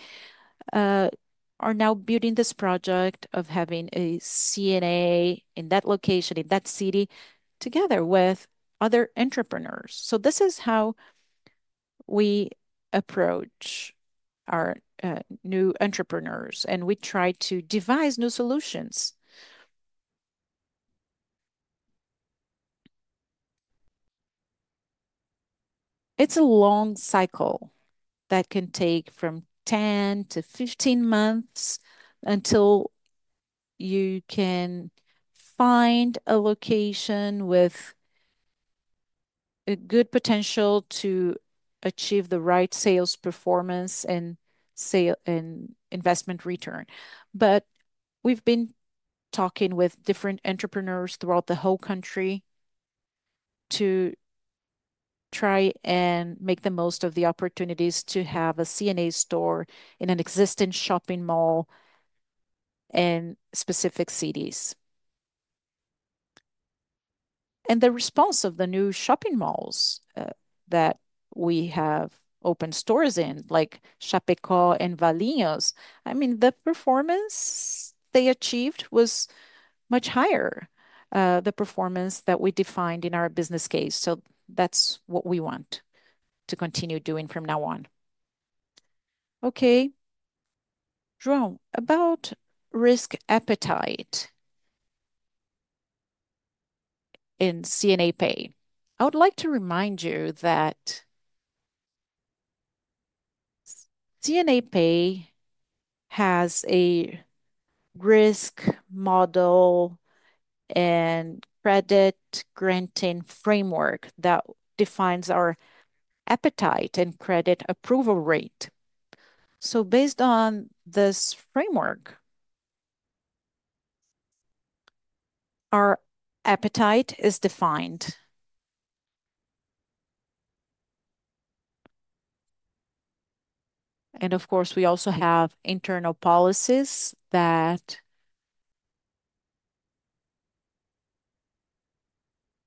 are now building this project of having a C&A in that location, in that city, together with other entrepreneurs. This is how we approach new entrepreneurs and we try to devise new solutions. It's a long cycle that can take from 10-15 months until you can find a location with a good potential to achieve the right sales performance and investment return. We have been talking with different entrepreneurs throughout the whole country to try and make the most of the opportunities to have a C&A store in an existing shopping mall in specific cities. The response of the new shopping malls that we have opened stores in, like Chapecó and Valinhos, the performance they achieved was much higher than the performance that we defined in our business case. That is what we want to continue doing from now on. Okay, Joan, about risk appetite in C&A Pay. I would like to remind you that C&A Pay has a risk model and credit granting framework that defines our appetite and credit approval rate. Based on this framework, our appetite is defined. Of course, we also have internal policies that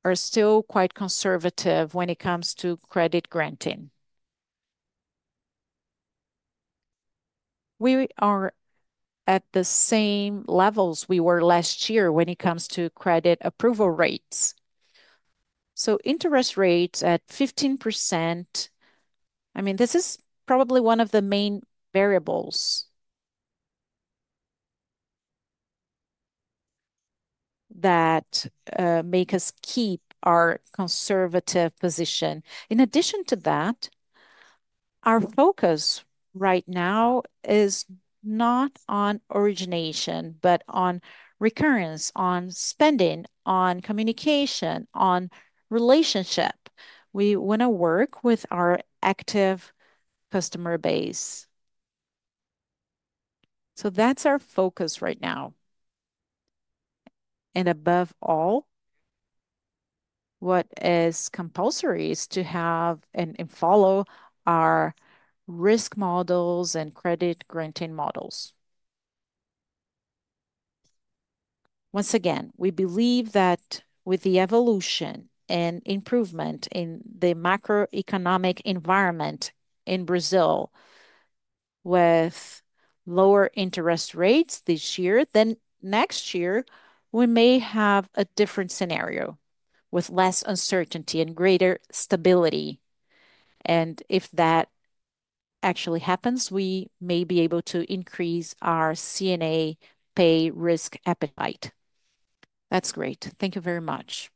are still quite conservative when it comes to credit granting. We are at the same levels we were last year when it comes to credit approval rates. Interest rates at 15% are probably one of the main variables that make us keep our conservative position. In addition to that, our focus right now is not on origination, but on recurrence, on spending, on communication, on relationship. We want to work with our active customer base. That is our focus right now. Above all, what is compulsory is to have and follow our risk models and credit granting models once again. We believe that with the evolution and improvement in the macroeconomic environment in Brazil, with lower interest rates this year, next year we may have a different scenario with less uncertainty and greater stability. If that actually happens, we may be able to increase our C&A Pay risk appetite. Thank you very much.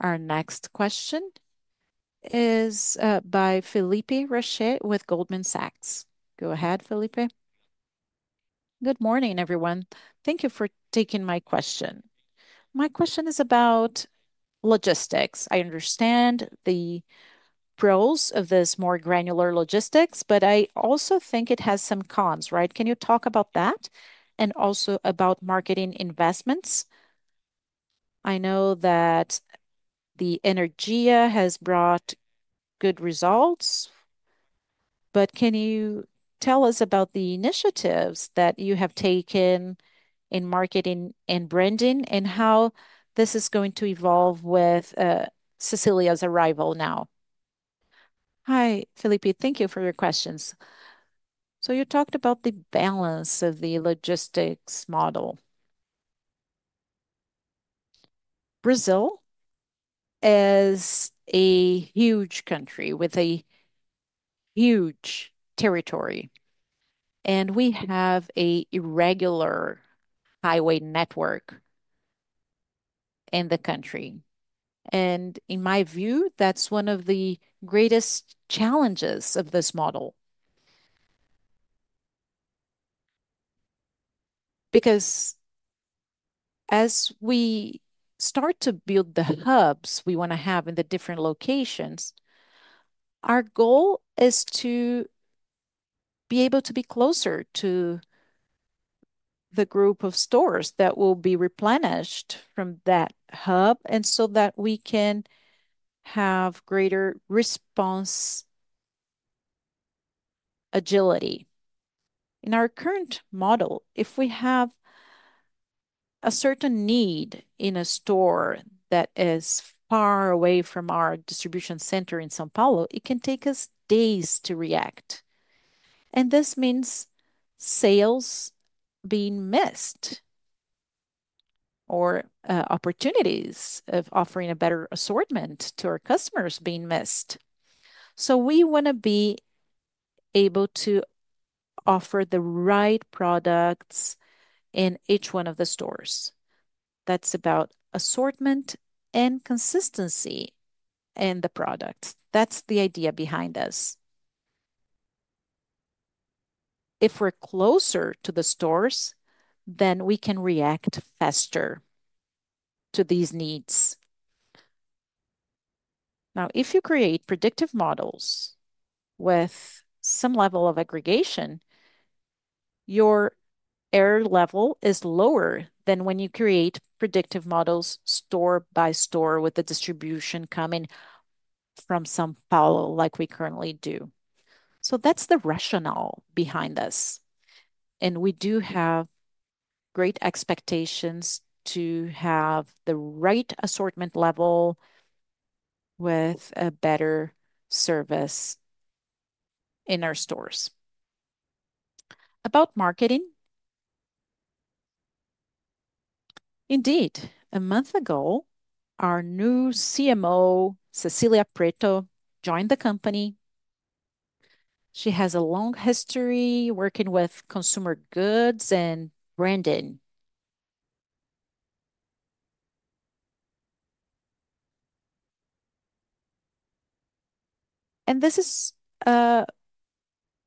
Our next question is by [Felipe Rache] with Goldman Sachs. Go ahead, Felipe. Good morning, everyone. Thank you for taking my question. My question is about logistics. I understand the pros of this more granular logistics, but I also think it has some cons. Can you talk about that? Also, about marketing investments. I know that the Energia strategy has brought good results, but can you tell us about the initiatives that you have taken in marketing and branding and how this is going to evolve with Cecília's arrival now? Hi, [Felipe], thank you for your questions. You talked about the brand balance of the logistics model. Brazil is a huge country with a huge territory and we have an irregular highway network in the country. In my view, that's one of the greatest challenges of this model because as we start to build the hubs we want to have in the different locations, our goal is to be able to be closer to the group of stores that will be replenished from that hub, so that we can have greater response agility. In our current model, if we have a certain need in a store that is far away from our distribution center in São Paulo, it can take us days to react. This means sales being missed or opportunities of offering a better assortment to our customers being missed. We want to be able to offer the right products in each one of the stores. That's about assortment and consistency in the product. That's the idea behind us. If we're closer to the stores, then we can react faster to these needs. If you create predictive models with some level of aggregation, your error level is lower than when you create predictive models store by store, with the distribution coming from São Paulo like we currently do. That's the rationale behind this. We do have great expectations to have the right assortment level with a better service in our stores. About marketing, indeed, a month ago, our new CMO, Cecília Preto, joined the company. She has a long history working with consumer goods and branding. This is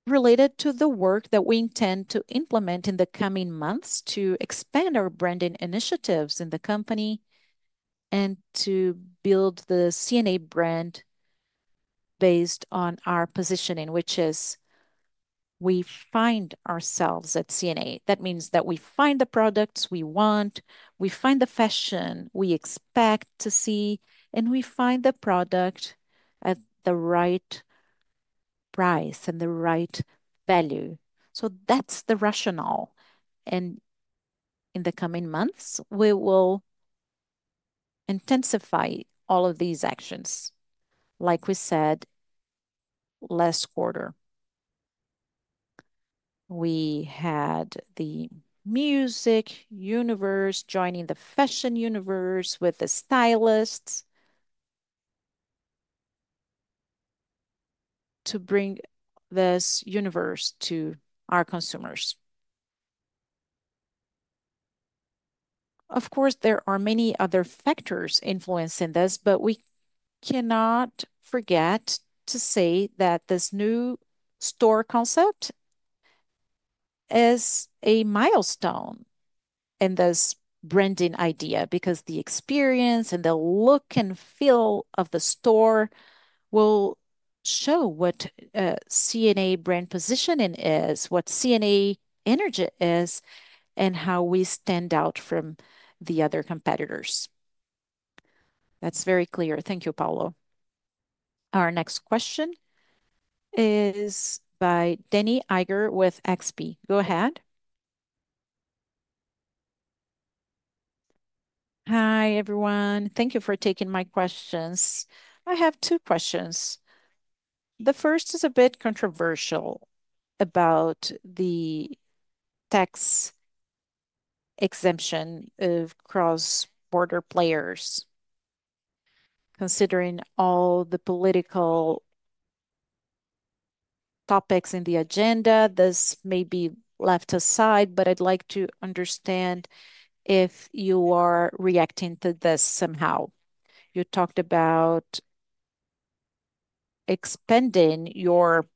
related to the work that we intend to implement in the coming months to expand our branding initiatives in the company and to build the C&A brand based on our positioning, which is we find ourselves at C&A. That means that we find the products we want, we find the fashion we expect to see, and we find the product at the right price and the right value. That's the rationale. In the coming months, we will intensify all of these actions. Like we said last quarter, we had the music universe joining the fashion universe with the stylists to bring this universe to our consumers. Of course, there are many other factors influencing this, but we cannot forget to say that this new store concept is a milestone in this branding idea because the experience and the look and feel of the store will show what C&A brand positioning is, what C&A energy is, and how we stand out from the other competitors. That's very clear. Thank you, Paulo. Our next question is by Danni Eiger with XP. Go ahead. Hi everyone. Thank you for taking my questions. I have two questions. The first is a bit controversial about the tax exemption of cross border players. Considering all the political topics in the agenda, this may be left aside, but I'd like to understand if you are reacting to this somehow. You talked about expanding your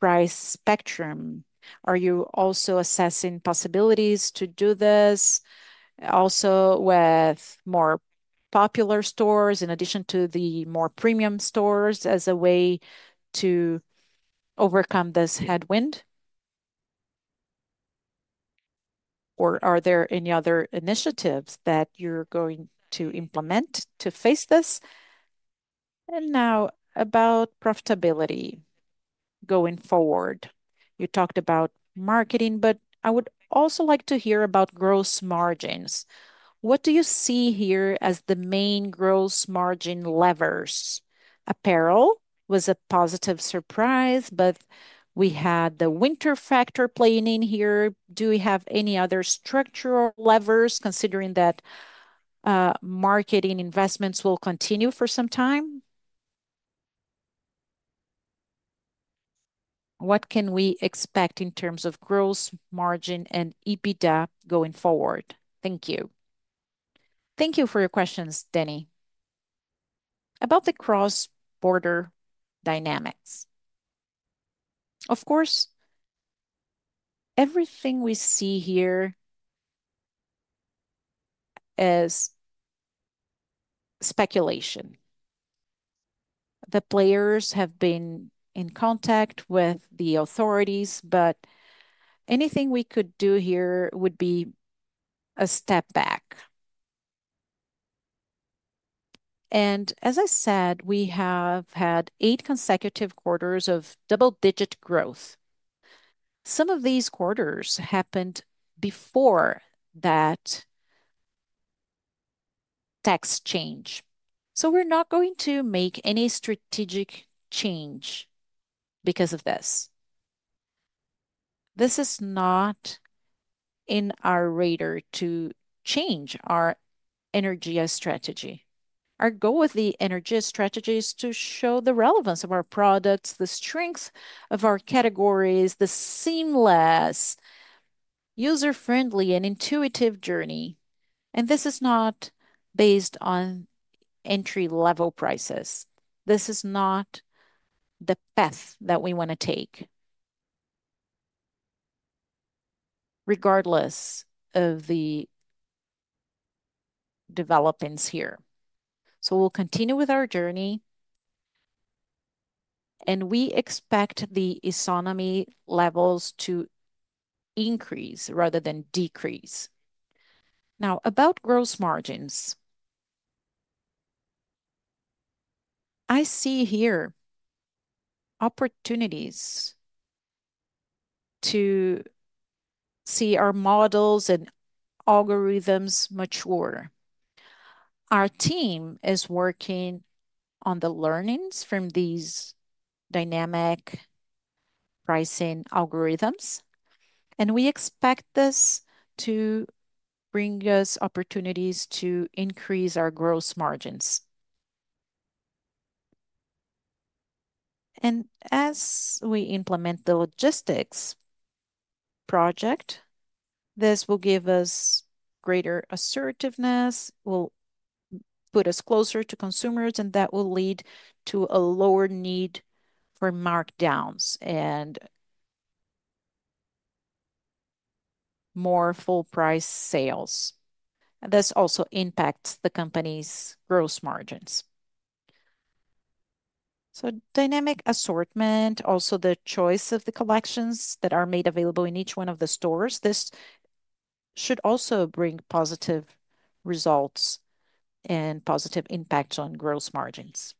price spectrum. Are you also assessing possibilities to do this also with more popular stores in addition to the more premium stores as a way to overcome this headwind? Are there any other initiatives that you're going to implement to face this and now about profitability going forward? You talked about marketing, but I would also like to hear about gross margins. What do you see here as the main gross margin levers? Apparel was a positive surprise, but we had the winter factor playing in here. Do we have any other structural levers? Considering that marketing investments will continue for some time, what can we expect in terms of gross margin and EBITDA going forward? Thank you. Thank you for your questions. Denny, about the cross border dynamics. Of course, everything we see here is speculation. The players have been in contact with the authorities, but anything we could do here would be a step back. As I said, we have had eight consecutive quarters of double-digit growth. Some of these quarters happened before that tax change. We're not going to make any strategic change because of this. This is not in our radar to change our Energia strategy. Our goal with the Energia strategy is to show the relevance of our products, the strength of our categories, the same user-friendly and intuitive journey. This is not based on entry-level prices. This is not the path that we want to take regardless of the developments here. We will continue with our journey and we expect the economy levels to increase rather than decrease. Now about gross margins. I see here opportunities to see our models and algorithms mature. Our team is working on the learnings from these dynamic pricing algorithms and we expect this to bring us opportunities to increase our gross margins. As we implement the logistics project, this will give us greater assertiveness, will put us closer to consumers, and that will lead to a lower need for markdowns and more full price sales. This also impacts the company's gross margins. Dynamic assortment, also the choice of the collections that are made available in each one of the stores, should also bring positive results and positive impact on gross margins.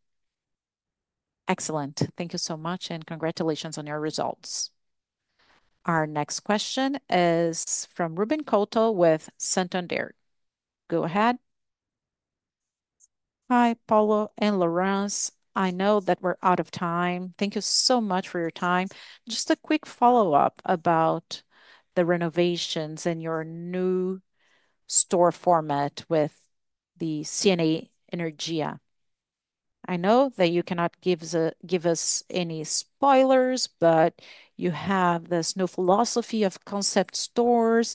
Excellent. Thank you so much and congratulations on your results. Our next question is from Ruben Couto with Santander. Go ahead. Hi Paulo and Laurence. I know that we're out of time. Thank you so much for your time. Just a quick follow-up about the renovations in your new store format with the C&A Energia. I know that you cannot give us any spoilers, but you have this new philosophy of concept stores.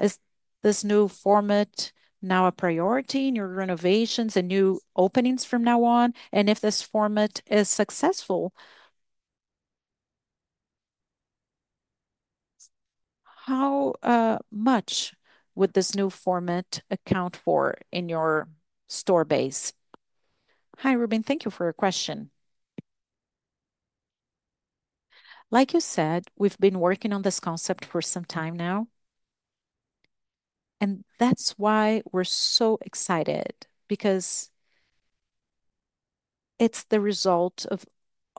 Is this new format now a priority in your renovations and new openings from now on? If this format is successful, how much would this new format account for in your store base? Hi Ruben. Thank you for your question. Like you said, we've been working on this concept for some time now. That's why we're so excited, because it's the result of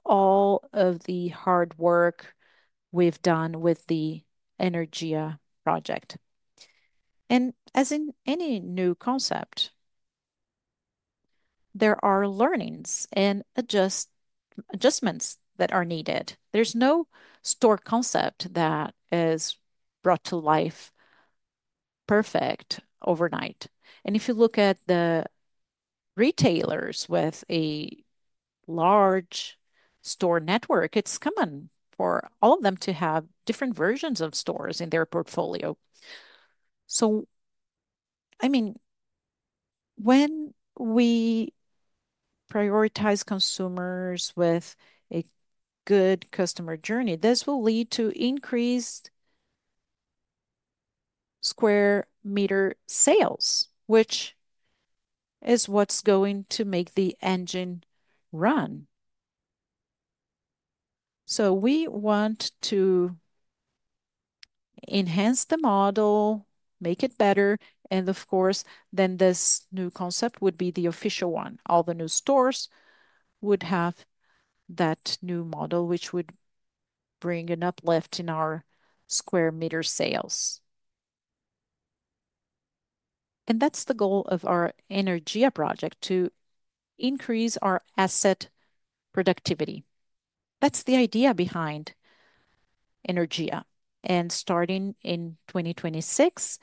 all of the hard work we've done with the Energia strategy. As in any new concept, there are learnings and adjustments that are needed. There's no store concept that is brought to life perfect overnight. If you look at the retailers with a large store network, it's common for all of them to have different versions of stores in their portfolio. When we prioritize consumers with a good customer journey, this will lead to increased square meter sales, which is what's going to make the engine run. We want to enhance the model, make it better. Of course, then this new concept would be the official one. All the new stores would have that new model, which would bring an uplift in our square meter sales. That's the goal of our Energia project, to increase our asset productivity. That's the idea behind Energia. Starting in 2026,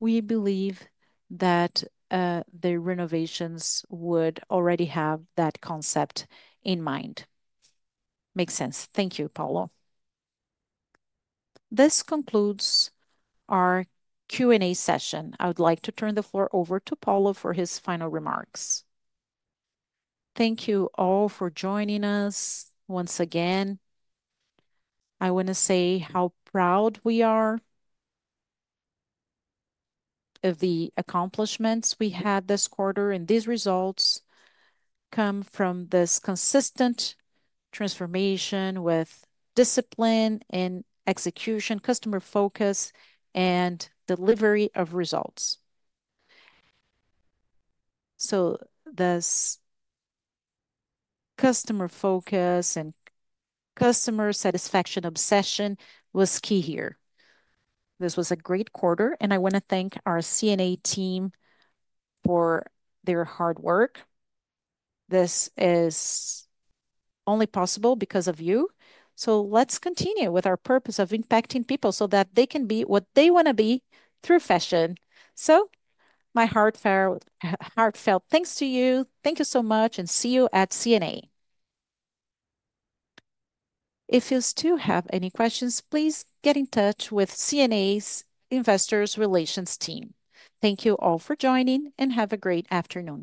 we believe that the renovations would already have that concept in mind. Makes sense. Thank you, Paulo. This concludes our Q&A session. I would like to turn the floor over to Paulo for his final remarks. Thank you all for joining us. Once again, I want to say how proud we are of the accomplishments we had this quarter. These results come from this consistent transformation with discipline and execution, customer focus, and delivery of results. This customer focus and customer satisfaction obsession was key here. This was a great quarter and I want to thank our C&A team for their hard work. This is only possible because of you. Let's continue with our purpose of impacting people so that they can be what they want to be through fashion. My heartfelt thanks to you. Thank you so much and see you at C&A. If you still have any questions, please get in touch with C&A's Investor Relations team. Thank you all for joining and have a great afternoon.